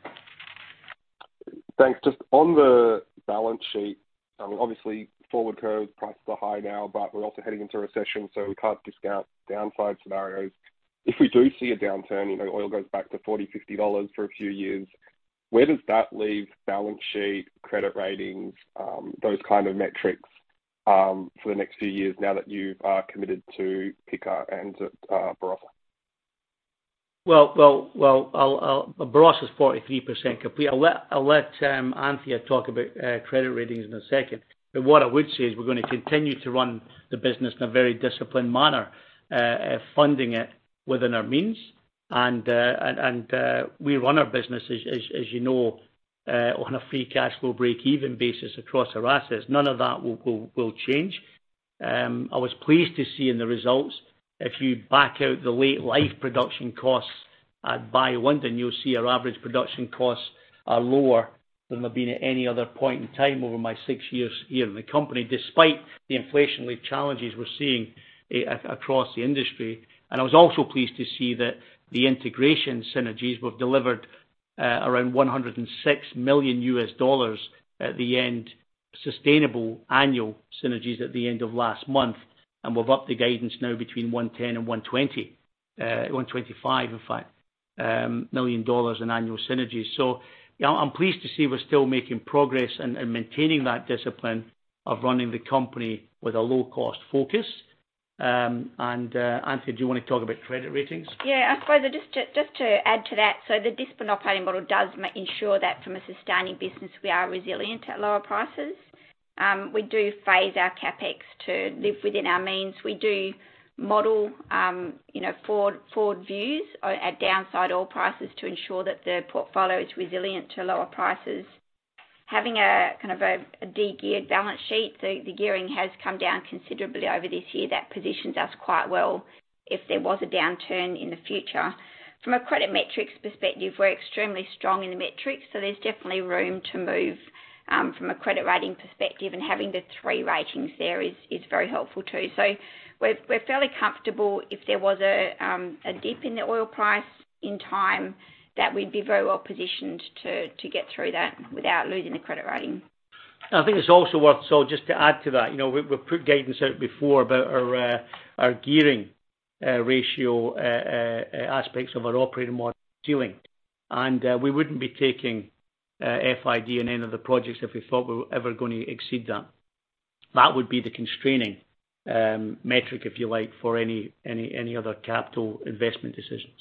Thanks. Just on the balance sheet, I mean, obviously, forward curve prices are high now, but we're also heading into a recession, so we can't discount downside scenarios. If we do see a downturn, you know, oil goes back to $40-$50 for a few years, where does that leave balance sheet credit ratings, those kind of metrics, for the next few years now that you are committed to Pikka and Barossa? Well, Barossa is 43% complete. I'll let Anthea talk about credit ratings in a second. What I would say is we're gonna continue to run the business in a very disciplined manner, funding it within our means. We run our business as you know on a free cash flow break even basis across our assets. None of that will change. I was pleased to see in the results, if you back out the late life production costs at Bayu-Undan, you'll see our average production costs are lower than they've been at any other point in time over my six years here in the company, despite the inflationary challenges we're seeing across the industry. I was also pleased to see that the integration synergies we've delivered, around $106 million at the end, sustainable annual synergies at the end of last month. We've upped the guidance now between 110 and 125 million dollars in annual synergies. I'm pleased to see we're still making progress and maintaining that discipline of running the company with a low cost focus. Anthea, do you wanna talk about credit ratings? Yeah. I suppose just to add to that. The disciplined operating model does ensure that from a sustaining business, we are resilient at lower prices. We do phase our CapEx to live within our means. We do model forward views at downside oil prices to ensure that the portfolio is resilient to lower prices. Having a kind of de-geared balance sheet, so the gearing has come down considerably over this year. That positions us quite well if there was a downturn in the future. From a credit metrics perspective, we're extremely strong in the metrics, so there's definitely room to move from a credit rating perspective. Having the three ratings there is very helpful too. We're fairly comfortable if there was a dip in the oil price in time, that we'd be very well positioned to get through that without losing the credit rating. I think it's also worth so just to add to that. You know, we've put guidance out before about our gearing ratio aspects of our operating model ceiling. We wouldn't be taking FID in any of the projects if we thought we were ever gonna exceed that. That would be the constraining metric, if you like, for any other capital investment decisions.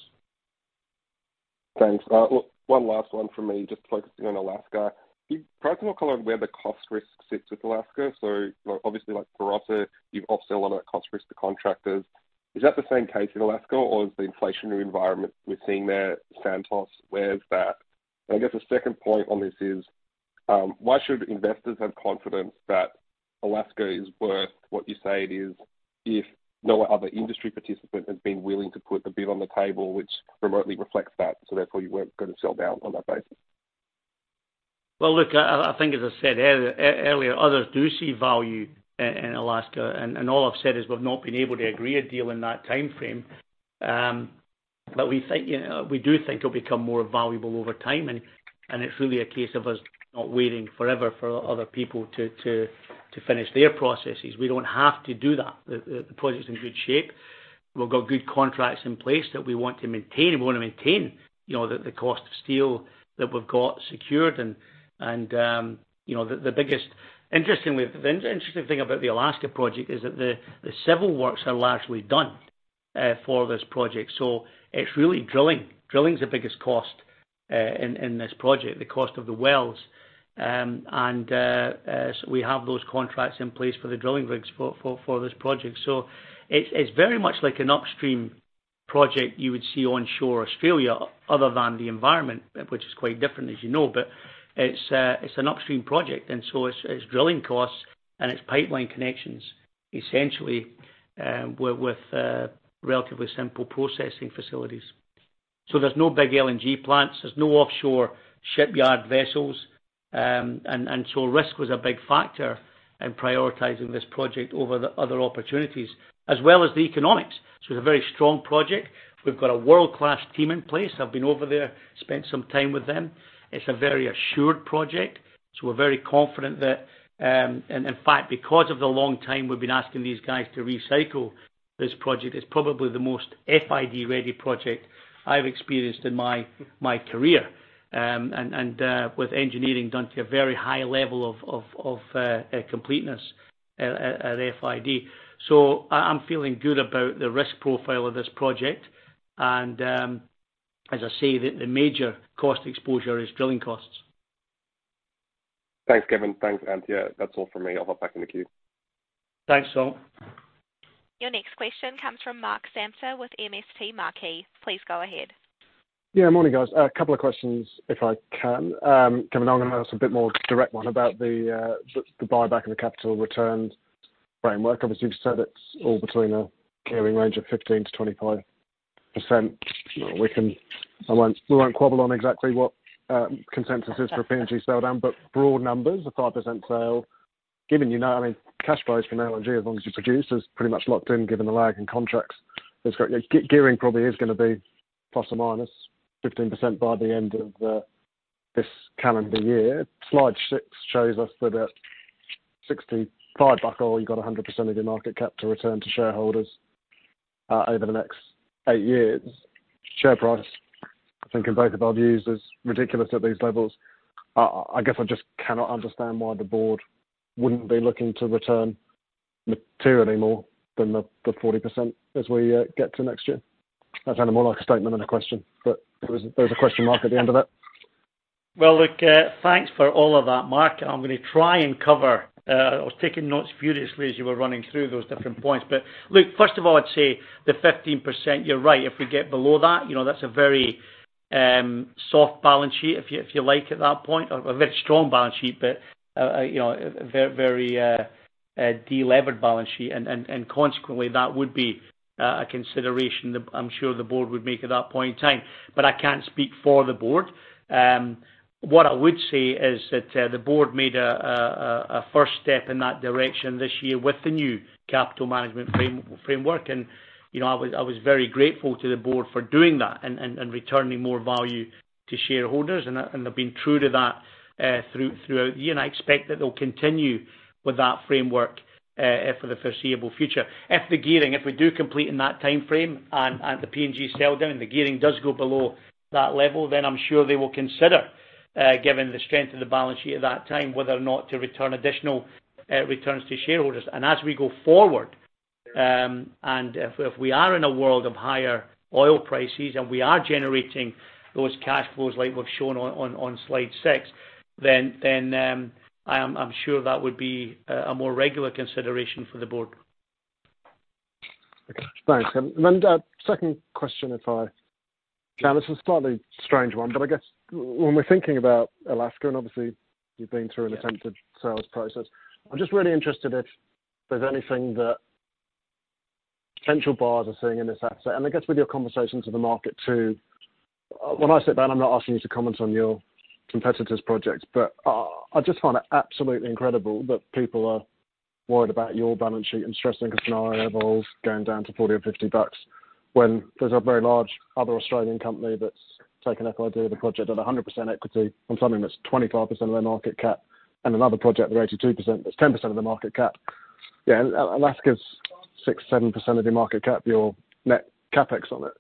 Thanks. Look, one last one from me, just focusing on Alaska. You've broken down where the cost risk sits with Alaska. So obviously like Barossa, you've offload a lot of that cost risk to contractors. Is that the same case in Alaska, or is the inflationary environment we're seeing there, Santos? Where is that? And I guess the second point on this is, why should investors have confidence that Alaska is worth what you say it is, if no other industry participant has been willing to put a bid on the table, which remotely reflects that, so therefore, you weren't gonna sell down on that basis? Look, I think as I said earlier, others do see value in Alaska. All I've said is we've not been able to agree a deal in that timeframe. We think, you know, we do think it'll become more valuable over time. It's really a case of us not waiting forever for other people to finish their processes. We don't have to do that. The project's in good shape. We've got good contracts in place that we want to maintain. We wanna maintain, you know, the cost of steel that we've got secured. You know, the interesting thing about the Alaska project is that the civil works are largely done for this project. So it's really drilling. Drilling is the biggest cost in this project, the cost of the wells. We have those contracts in place for the drilling rigs for this project. It's very much like an upstream project you would see onshore Australia other than the environment, which is quite different, as you know. It's an upstream project, it's drilling costs and it's pipeline connections essentially with relatively simple processing facilities. There's no big LNG plants, there's no offshore shipyard vessels. Risk was a big factor in prioritizing this project over the other opportunities, as well as the economics. It's a very strong project. We've got a world-class team in place. I've been over there, spent some time with them. It's a very assured project, so we're very confident that and in fact, because of the long time we've been asking these guys to recycle this project, it's probably the most FID-ready project I've experienced in my career. With engineering done to a very high level of completeness at FID. I'm feeling good about the risk profile of this project. As I say, the major cost exposure is drilling costs. Thanks, Kevin. Thanks, Anthea. That's all for me. I'll hop back in the queue. Thanks, Tom. Your next question comes from Mark Samter with MST Marquee. Please go ahead. Yeah, morning, guys. A couple of questions, if I can. Kevin, I'm gonna ask a bit more direct one about the buyback and the capital returns framework. Obviously, you've said it's all between a gearing range of 15%-25%. I won't, we won't quibble on exactly what consensus is for a PNG sell down, but broad numbers, a 5% sale, given, you know, I mean, cash flows from LNG, as long as you produce, is pretty much locked in given the lag in contracts. Gearing probably is gonna be ±15% by the end of this calendar year. Slide six shows us that at $65 oil, you got 100% of your market cap to return to shareholders over the next eight years. Share price, I think in both of our views, is ridiculous at these levels. I guess I just cannot understand why the board wouldn't be looking to return materially more than the 40% as we get to next year. That sounded more like a statement than a question, but there was a question mark at the end of it. Well, look, thanks for all of that, Mark. I'm gonna try and cover, I was taking notes furiously as you were running through those different points. Look, first of all, I'd say the 15%, you're right. If we get below that, you know, that's a very soft balance sheet, if you like, at that point. A very strong balance sheet, but you know, a very delevered balance sheet. Consequently, that would be a consideration that I'm sure the board would make at that point in time. I can't speak for the board. What I would say is that the board made a first step in that direction this year with the new capital management framework. You know, I was very grateful to the board for doing that and returning more value to shareholders. They've been true to that throughout the year. I expect that they'll continue with that framework for the foreseeable future. If the gearing, if we do complete in that timeframe and the PNG sell down, the gearing does go below that level, then I'm sure they will consider, given the strength of the balance sheet at that time, whether or not to return additional returns to shareholders. As we go forward, and if we are in a world of higher oil prices, and we are generating those cash flows like we've shown on slide six, then I'm sure that would be a more regular consideration for the board. Okay, thanks. Second question. This is a slightly strange one, but I guess when we're thinking about Alaska, and obviously you've been through an attempted sales process. I'm just really interested if there's anything that potential buyers are seeing in this asset. I guess with your conversations with the market too, when I sit down, I'm not asking you to comment on your competitors' projects, but I just find it absolutely incredible that people are worried about your balance sheet and stressing a scenario of oil going down to $40 or $50 when there's a very large other Australian company that's taken FID of the project at 100% equity on something that's 25% of their market cap and another project at 82% that's 10% of the market cap. Yeah, Alaska's 6%-7% of your market cap, your net CapEx on it.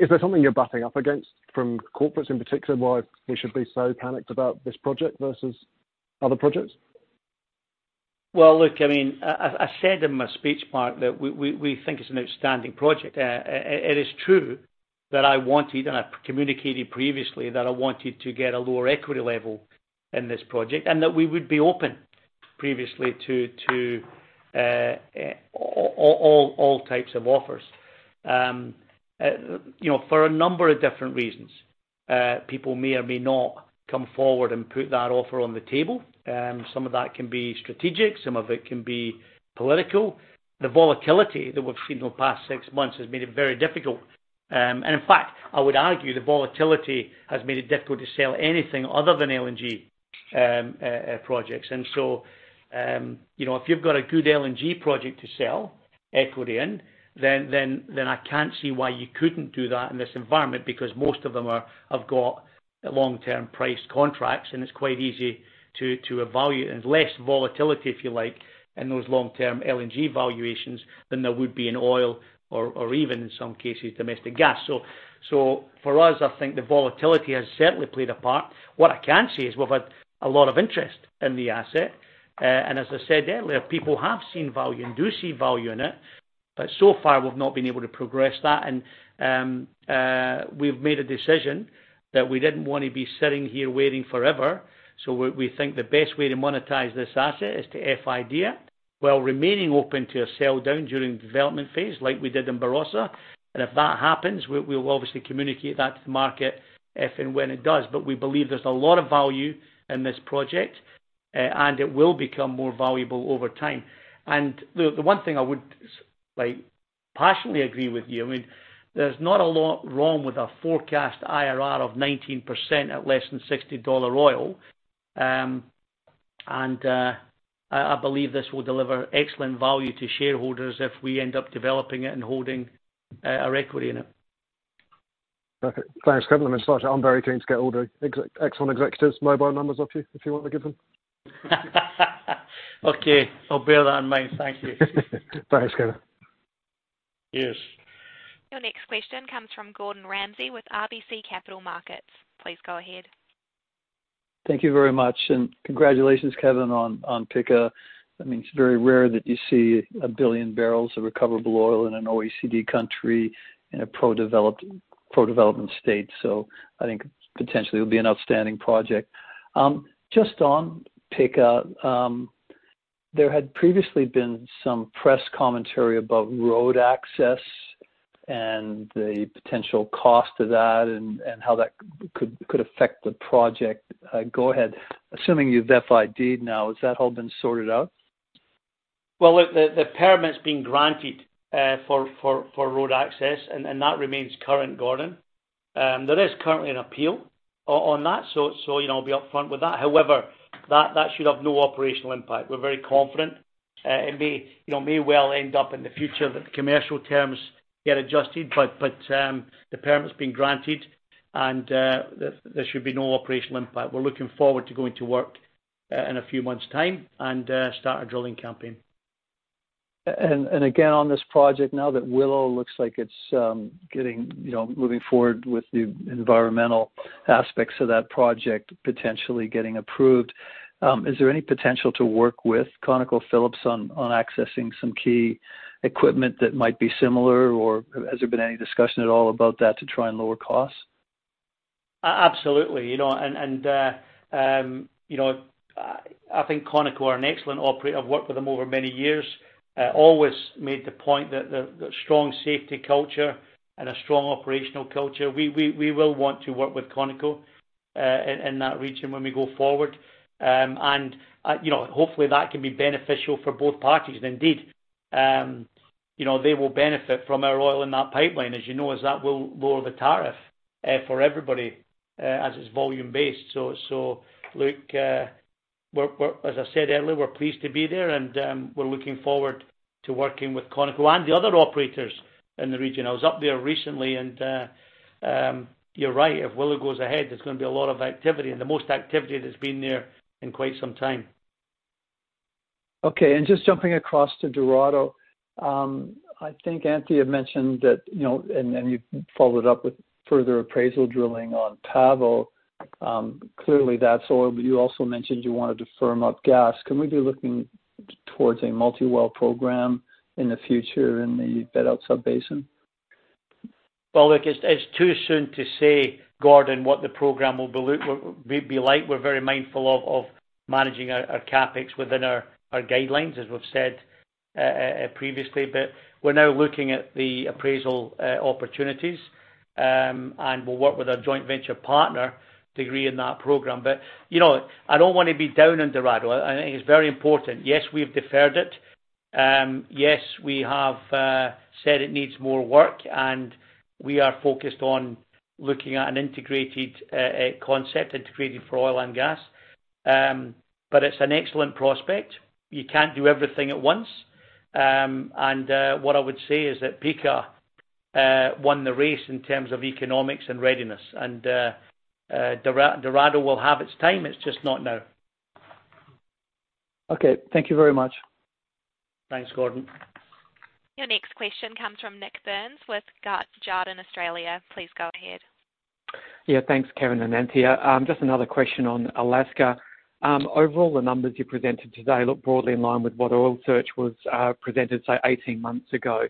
Is there something you're butting up against from corporates in particular, why they should be so panicked about this project versus other projects? Well, look, I mean, I said in my speech, Mark, that we think it's an outstanding project. It is true that I wanted, and I communicated previously, that I wanted to get a lower equity level in this project and that we would be open previously to all types of offers. You know, for a number of different reasons, people may or may not come forward and put that offer on the table. Some of that can be strategic, some of it can be political. The volatility that we've seen over the past six months has made it very difficult. In fact, I would argue the volatility has made it difficult to sell anything other than LNG projects. You know, if you've got a good LNG project to sell equity in, then I can't see why you couldn't do that in this environment because most of them have got long-term price contracts, and it's quite easy to evaluate. Less volatility, if you like, in those long-term LNG valuations than there would be in oil or even in some cases, domestic gas. For us, I think the volatility has certainly played a part. What I can say is we've had a lot of interest in the asset, and as I said earlier, people have seen value and do see value in it. So far, we've not been able to progress that. We've made a decision that we didn't wanna be sitting here waiting forever. We think the best way to monetize this asset is to FID it while remaining open to a sell down during the development phase like we did in Barossa. If that happens, we'll obviously communicate that to the market if and when it does. We believe there's a lot of value in this project, and it will become more valuable over time. The one thing I would like to passionately agree with you, I mean, there's not a lot wrong with a forecast IRR of 19% at less than $60 oil. I believe this will deliver excellent value to shareholders if we end up developing it and holding our equity in it. Okay. Thanks, Kevin. To start, I'm very keen to get all the ExxonMobil executives mobile numbers off you if you want to give them. Okay. I'll bear that in mind. Thank you. Thanks, Kevin. Yes. Your next question comes from Gordon Ramsay with RBC Capital Markets. Please go ahead. Thank you very much, and congratulations, Kevin, on Pikka. I mean, it's very rare that you see 1 billion barrels of recoverable oil in an OECD country in a pro-developed. Pro-development state. I think potentially it'll be an outstanding project. Just on that, there had previously been some press commentary about road access and the potential cost of that and how that could affect the project. Go ahead. Assuming you've FID now, has that all been sorted out? Well, look, the permit's been granted for road access, and that remains current, Gordon. There is currently an appeal on that, so you know, I'll be up front with that. However, that should have no operational impact. We're very confident. It may, you know, may well end up in the future that the commercial terms get adjusted, but the permit's been granted, and there should be no operational impact. We're looking forward to going to work in a few months' time and start our drilling campaign. again, on this project, now that Willow looks like it's getting, you know, moving forward with the environmental aspects of that project potentially getting approved, is there any potential to work with ConocoPhillips on accessing some key equipment that might be similar, or has there been any discussion at all about that to try and lower costs? Absolutely. You know, I think Conoco are an excellent operator. I've worked with them over many years. Always made the point that the strong safety culture and a strong operational culture, we will want to work with Conoco in that region when we go forward. You know, hopefully that can be beneficial for both parties. Indeed, you know, they will benefit from our oil in that pipeline, as you know, as that will lower the tariff for everybody, as it's volume-based. Look, as I said earlier, we're pleased to be there and we're looking forward to working with Conoco and the other operators in the region. I was up there recently and, you're right, if Willow goes ahead, there's gonna be a lot of activity and the most activity that's been there in quite some time. Okay, just jumping across to Dorado. I think Anthea had mentioned that, you know, and you followed up with further appraisal drilling on Pavo. Clearly that's oil, but you also mentioned you wanted to firm up gas. Can we be looking towards a multi-well program in the future in the Bedout Sub-basin? Well, look, it's too soon to say, Gordon, what the program will be like. We're very mindful of managing our CapEx within our guidelines, as we've said previously. We're now looking at the appraisal opportunities, and we'll work with our joint venture partner to agree on that program. You know, I don't wanna be down on Dorado. I think it's very important. Yes, we've deferred it. Yes, we have said it needs more work, and we are focused on looking at an integrated concept, integrated for oil and gas. It's an excellent prospect. You can't do everything at once. What I would say is that Pikka won the race in terms of economics and readiness. Dorado will have its time. It's just not now. Okay, thank you very much. Thanks, Gordon. Your next question comes from Nik Burns with Jarden Australia. Please go ahead. Yeah, thanks, Kevin and Anthea. Just another question on Alaska. Overall, the numbers you presented today look broadly in line with what Oil Search presented, say, 18 months ago.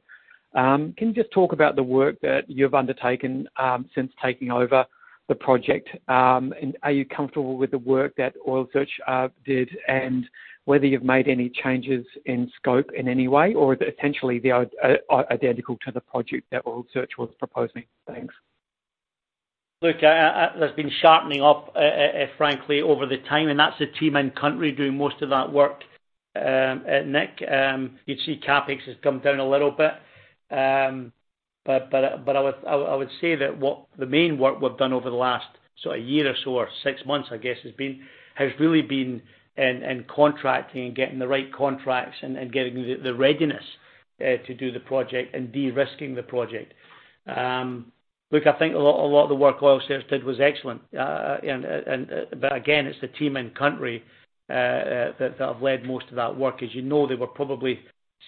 Can you just talk about the work that you've undertaken since taking over the project? And are you comfortable with the work that Oil Search did, and whether you've made any changes in scope in any way, or essentially they are identical to the project that Oil Search was proposing? Thanks. Look, there's been shaping up, frankly, over time, and that's the team and country doing most of that work, Nik. You'd see CapEx has come down a little bit. I would say that what the main work we've done over the last sort of year or so or six months, I guess, has really been in contracting and getting the right contracts and getting the readiness to do the project and de-risking the project. Look, I think a lot of the work Oil Search did was excellent. Again, it's the team and country that have led most of that work. As you know, they were probably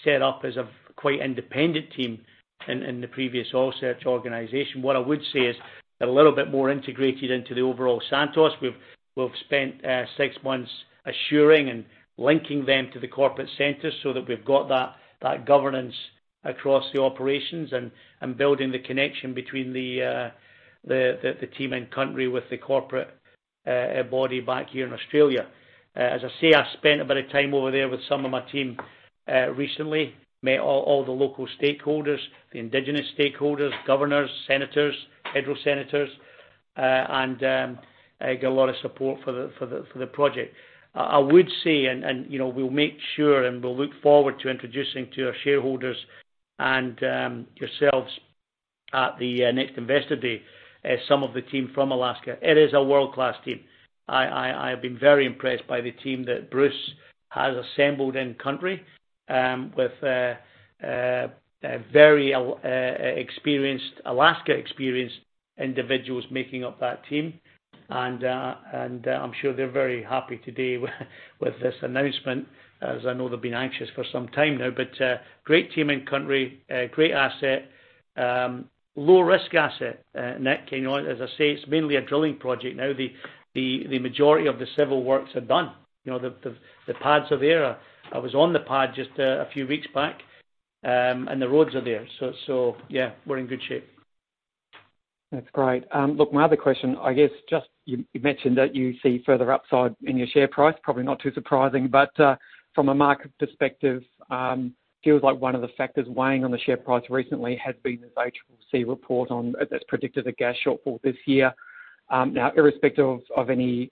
set up as a quite independent team in the previous Oil Search organization. What I would say is they're a little bit more integrated into the overall Santos. We've spent six months assuring and linking them to the corporate center so that we've got that governance across the operations and building the connection between the team and country with the corporate body back here in Australia. As I say, I spent a bit of time over there with some of my team recently. Met all the local stakeholders, the indigenous stakeholders, governors, senators, federal senators, and I got a lot of support for the project. I would say, you know, we'll make sure and we'll look forward to introducing to our shareholders and yourselves at the next Investor Day some of the team from Alaska. It is a world-class team. I have been very impressed by the team that Bruce has assembled in country with a very experienced, Alaska-experienced individuals making up that team. I'm sure they're very happy today with this announcement, as I know they've been anxious for some time now. Great team and country, a great asset, low risk asset, Nik. You know, as I say, it's mainly a drilling project now. The majority of the civil works are done. You know, the pads are there. I was on the pad just a few weeks back, and the roads are there. Yeah, we're in good shape. That's great. Look, my other question, I guess, you mentioned that you see further upside in your share price, probably not too surprising. From a market perspective, feels like one of the factors weighing on the share price recently has been this ACCC report on that predicted a gas shortfall this year. Now irrespective of any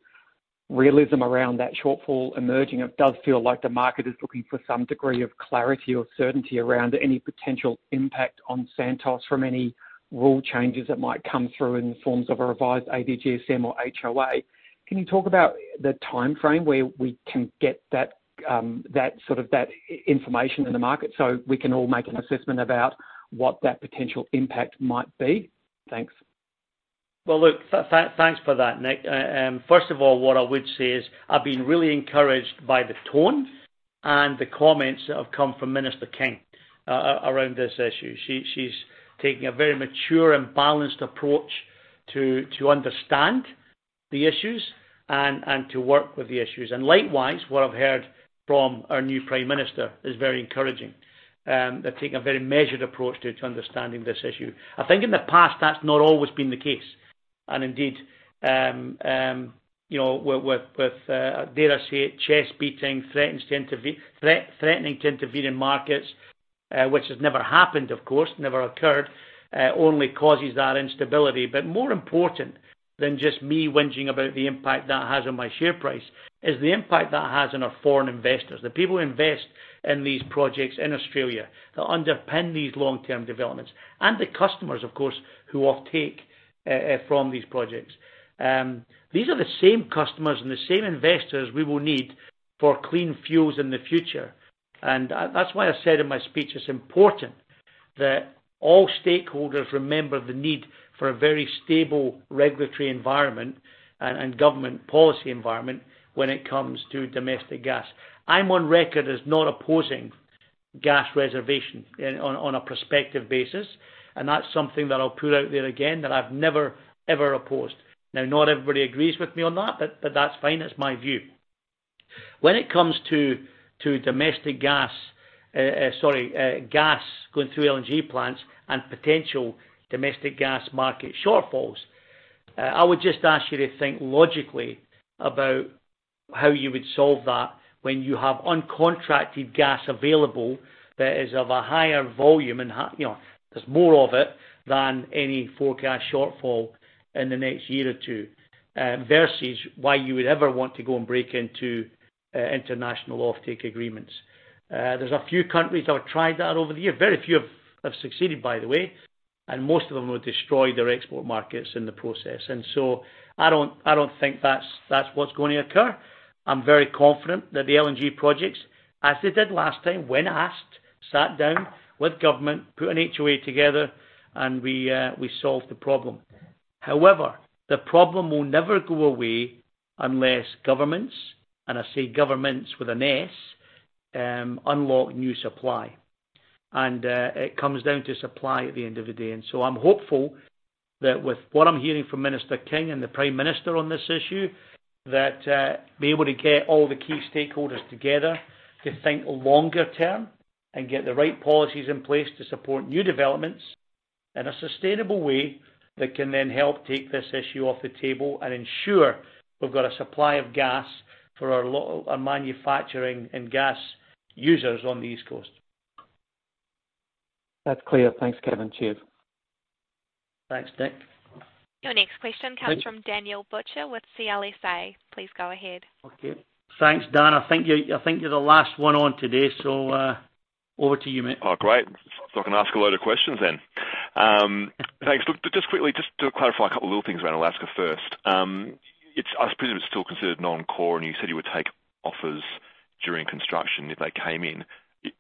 realism around that shortfall emerging, it does feel like the market is looking for some degree of clarity or certainty around any potential impact on Santos from any rule changes that might come through in the forms of a revised ADGSM or HOA. Can you talk about the timeframe where we can get that sort of information in the market so we can all make an assessment about what that potential impact might be? Thanks. Well, look, thanks for that, Nik. First of all, what I would say is I've been really encouraged by the tone and the comments that have come from Madeleine King around this issue. She's taking a very mature and balanced approach to understand the issues and to work with the issues. Likewise, what I've heard from our new prime minister is very encouraging. They're taking a very measured approach to understanding this issue. I think in the past, that's not always been the case. Indeed, you know, with dare I say it, chest beating, threatening to intervene in markets, which has never happened, of course, never occurred, only causes that instability. More important than just me whinging about the impact that has on my share price is the impact that has on our foreign investors, the people who invest in these projects in Australia that underpin these long-term developments, and the customers, of course, who offtake from these projects. These are the same customers and the same investors we will need for clean fuels in the future. That's why I said in my speech, it's important that all stakeholders remember the need for a very stable regulatory environment and government policy environment when it comes to domestic gas. I'm on record as not opposing gas reservation on a prospective basis, and that's something that I'll put out there again that I've never, ever opposed. Now, not everybody agrees with me on that, but that's fine. That's my view. When it comes to domestic gas going through LNG plants and potential domestic gas market shortfalls, I would just ask you to think logically about how you would solve that when you have uncontracted gas available that is of a higher volume and you know, there's more of it than any forecast shortfall in the next year or two, versus why you would ever want to go and break into international offtake agreements. There's a few countries that have tried that over the years. Very few have succeeded, by the way, and most of them have destroyed their export markets in the process. I don't think that's what's going to occur. I'm very confident that the LNG projects, as they did last time, when asked, sat down with government, put an HOA together, and we solved the problem. However, the problem will never go away unless governments, and I say governments with an S, unlock new supply. It comes down to supply at the end of the day. I'm hopeful that with what I'm hearing from Madeleine King and the Prime Minister on this issue, that be able to get all the key stakeholders together to think longer term and get the right policies in place to support new developments in a sustainable way that can then help take this issue off the table and ensure we've got a supply of gas for our manufacturing and gas users on the East Coast. That's clear. Thanks, Kevin. Cheers. Thanks, Nik. Your next question comes from Daniel Butcher with CLSA. Please go ahead. Okay. Thanks, Dan. I think you're the last one on today. Over to you, mate. Oh, great. I can ask a load of questions then. Thanks. Look, just quickly, just to clarify a couple of little things around Alaska first. It's still considered non-core, and you said you would take offers during construction if they came in.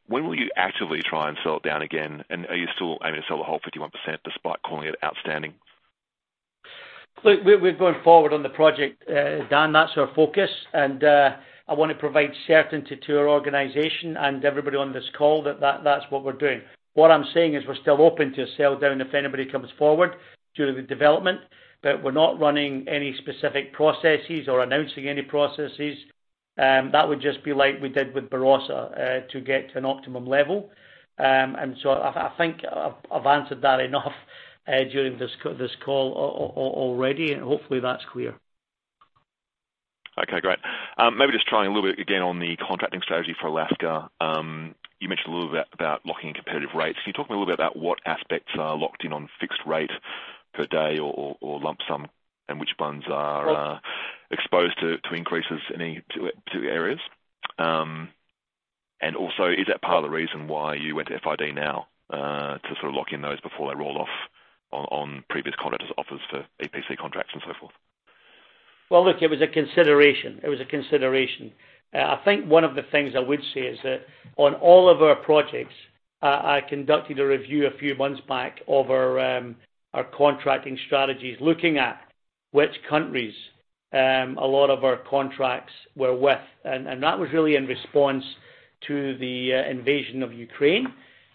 When will you actively try and sell it down again? And are you still aiming to sell the whole 51% despite calling it outstanding? Look, we're going forward on the project, Dan. That's our focus. I wanna provide certainty to our organization and everybody on this call that that's what we're doing. What I'm saying is we're still open to a sell down if anybody comes forward during the development, but we're not running any specific processes or announcing any processes. That would just be like we did with Barossa to get to an optimum level. I think I've answered that enough during this call already, and hopefully, that's clear. Okay, great. Maybe just trying a little bit again on the contracting strategy for Alaska. You mentioned a little bit about locking in competitive rates. Can you talk a little bit about what aspects are locked in on fixed rate per day or lump sum, and which ones are- Sure Exposed to increases in any areas? Also, is that part of the reason why you went to FID now, to sort of lock in those before they roll off on previous contractors' offers for EPC contracts and so forth? Well, look, it was a consideration. I think one of the things I would say is that on all of our projects, I conducted a review a few months back of our contracting strategies, looking at which countries a lot of our contracts were with. That was really in response to the invasion of Ukraine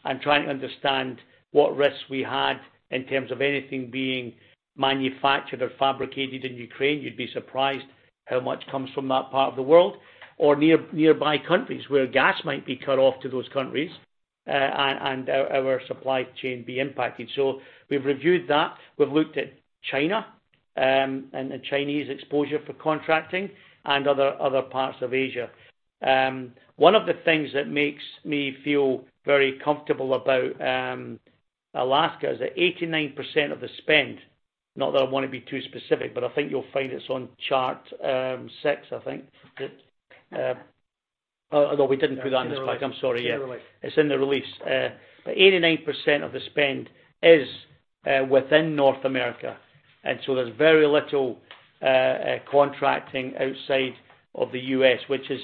and trying to understand what risks we had in terms of anything being manufactured or fabricated in Ukraine. You'd be surprised how much comes from that part of the world or nearby countries where gas might be cut off to those countries and our supply chain be impacted. We've reviewed that. We've looked at China and the Chinese exposure for contracting and other parts of Asia. One of the things that makes me feel very comfortable about Alaska is that 89% of the spend, not that I wanna be too specific, but I think you'll find it's on chart six, I think. Oh, no, we didn't put that in the slide. I'm sorry. It's in the release. It's in the release. 89% of the spend is within North America. There's very little contracting outside of the U.S., which is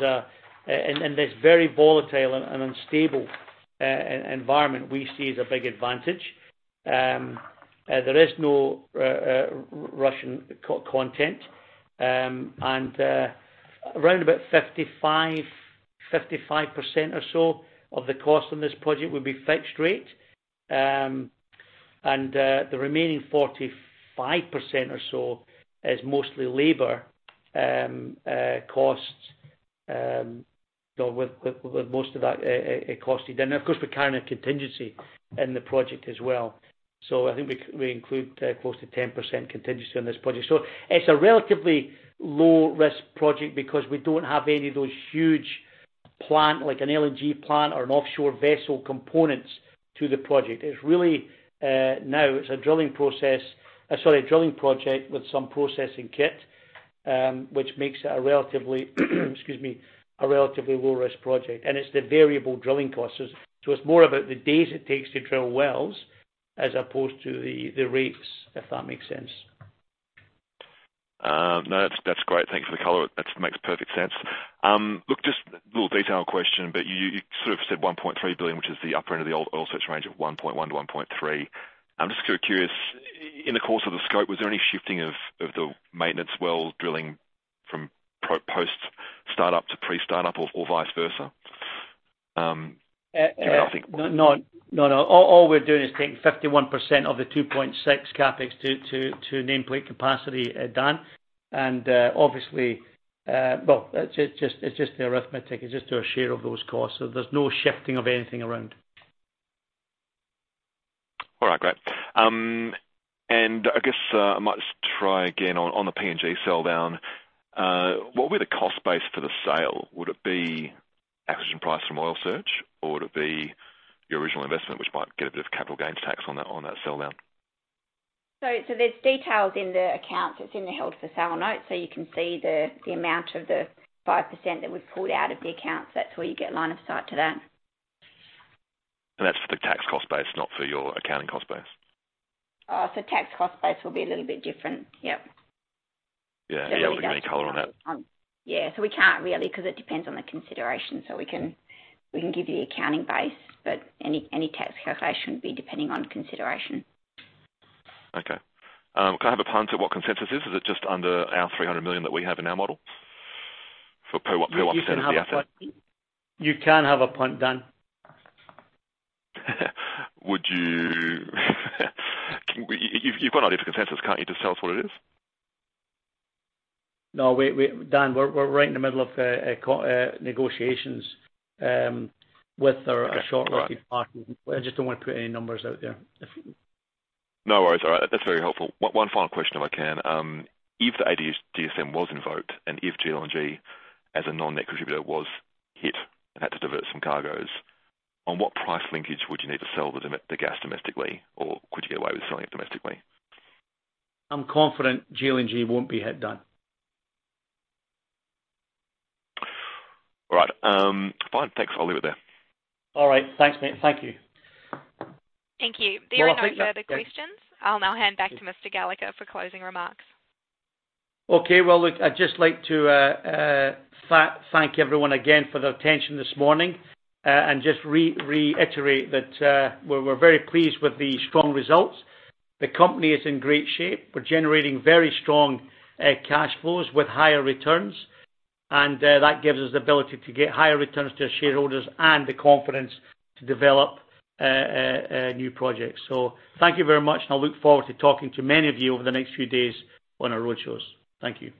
in this very volatile and unstable environment we see as a big advantage. There is no Russian co-content. Around about 55% or so of the cost on this project would be fixed rate. The remaining 45% or so is mostly labor costs with most of that cost. Of course, we're carrying a contingency in the project as well. I think we include close to 10% contingency on this project. It's a relatively low-risk project because we don't have any of those huge plant, like an LNG plant or an offshore vessel components to the project. It's really a drilling project with some processing kit, which makes it a relatively low-risk project. It's the variable drilling costs. It's more about the days it takes to drill wells as opposed to the rates, if that makes sense. No, that's great. Thanks for the color. That makes perfect sense. Look, just a little detailed question, but you sort of said 1.3 billion, which is the upper end of the old Oil Search range of 1.1 billion-1.3 billion. I'm just curious, in the course of the scope, was there any shifting of the maintenance well drilling from post startup to pre-startup or vice versa? Curious. No. All we're doing is taking 51% of the 2.6 CapEx to nameplate capacity, Dan. Obviously, well, it's just the arithmetic. It's just our share of those costs. There's no shifting of anything around. All right, great. I guess I might just try again on the PNG sell down. What were the cost base for the sale? Would it be acquisition price from Oil Search, or would it be your original investment, which might get a bit of capital gains tax on that sell down? There's details in the accounts. It's in the held for sale note. You can see the amount of the 5% that we've pulled out of the accounts. That's where you get line of sight to that. That's for the tax cost base, not for your accounting cost base. Tax cost base will be a little bit different. Yep. Yeah. Are you able to get a hold on that? Yeah. We can't really because it depends on the consideration. We can give you the accounting base, but any tax calculation would be depending on consideration. Okay. Can I have a punt at what consensus is? Is it just under our 300 million that we have in our model for per what percent of the asset? You can have a punt, Dan. You've got an idea for consensus, can't you just tell us what it is? No, Dan, we're right in the middle of negotiations with our short-listed parties. Okay. All right. I just don't wanna put any numbers out there. No worries. All right. That's very helpful. One final question, if I can. If the ADGSM was invoked and if GLNG as a non-net contributor was hit and had to divert some cargos, on what price linkage would you need to sell the gas domestically? Or could you get away with selling it domestically? I'm confident GLNG won't be hit, Dan. All right. Fine. Thanks. I'll leave it there. All right. Thanks, mate. Thank you. Thank you. There are no further questions. I'll now hand back to Mr. Gallagher for closing remarks. Okay. Well, look, I'd just like to thank everyone again for their attention this morning, and just reiterate that, we're very pleased with the strong results. The company is in great shape. We're generating very strong cash flows with higher returns, and that gives us the ability to get higher returns to our shareholders and the confidence to develop new projects. Thank you very much, and I look forward to talking to many of you over the next few days on our roadshows. Thank you.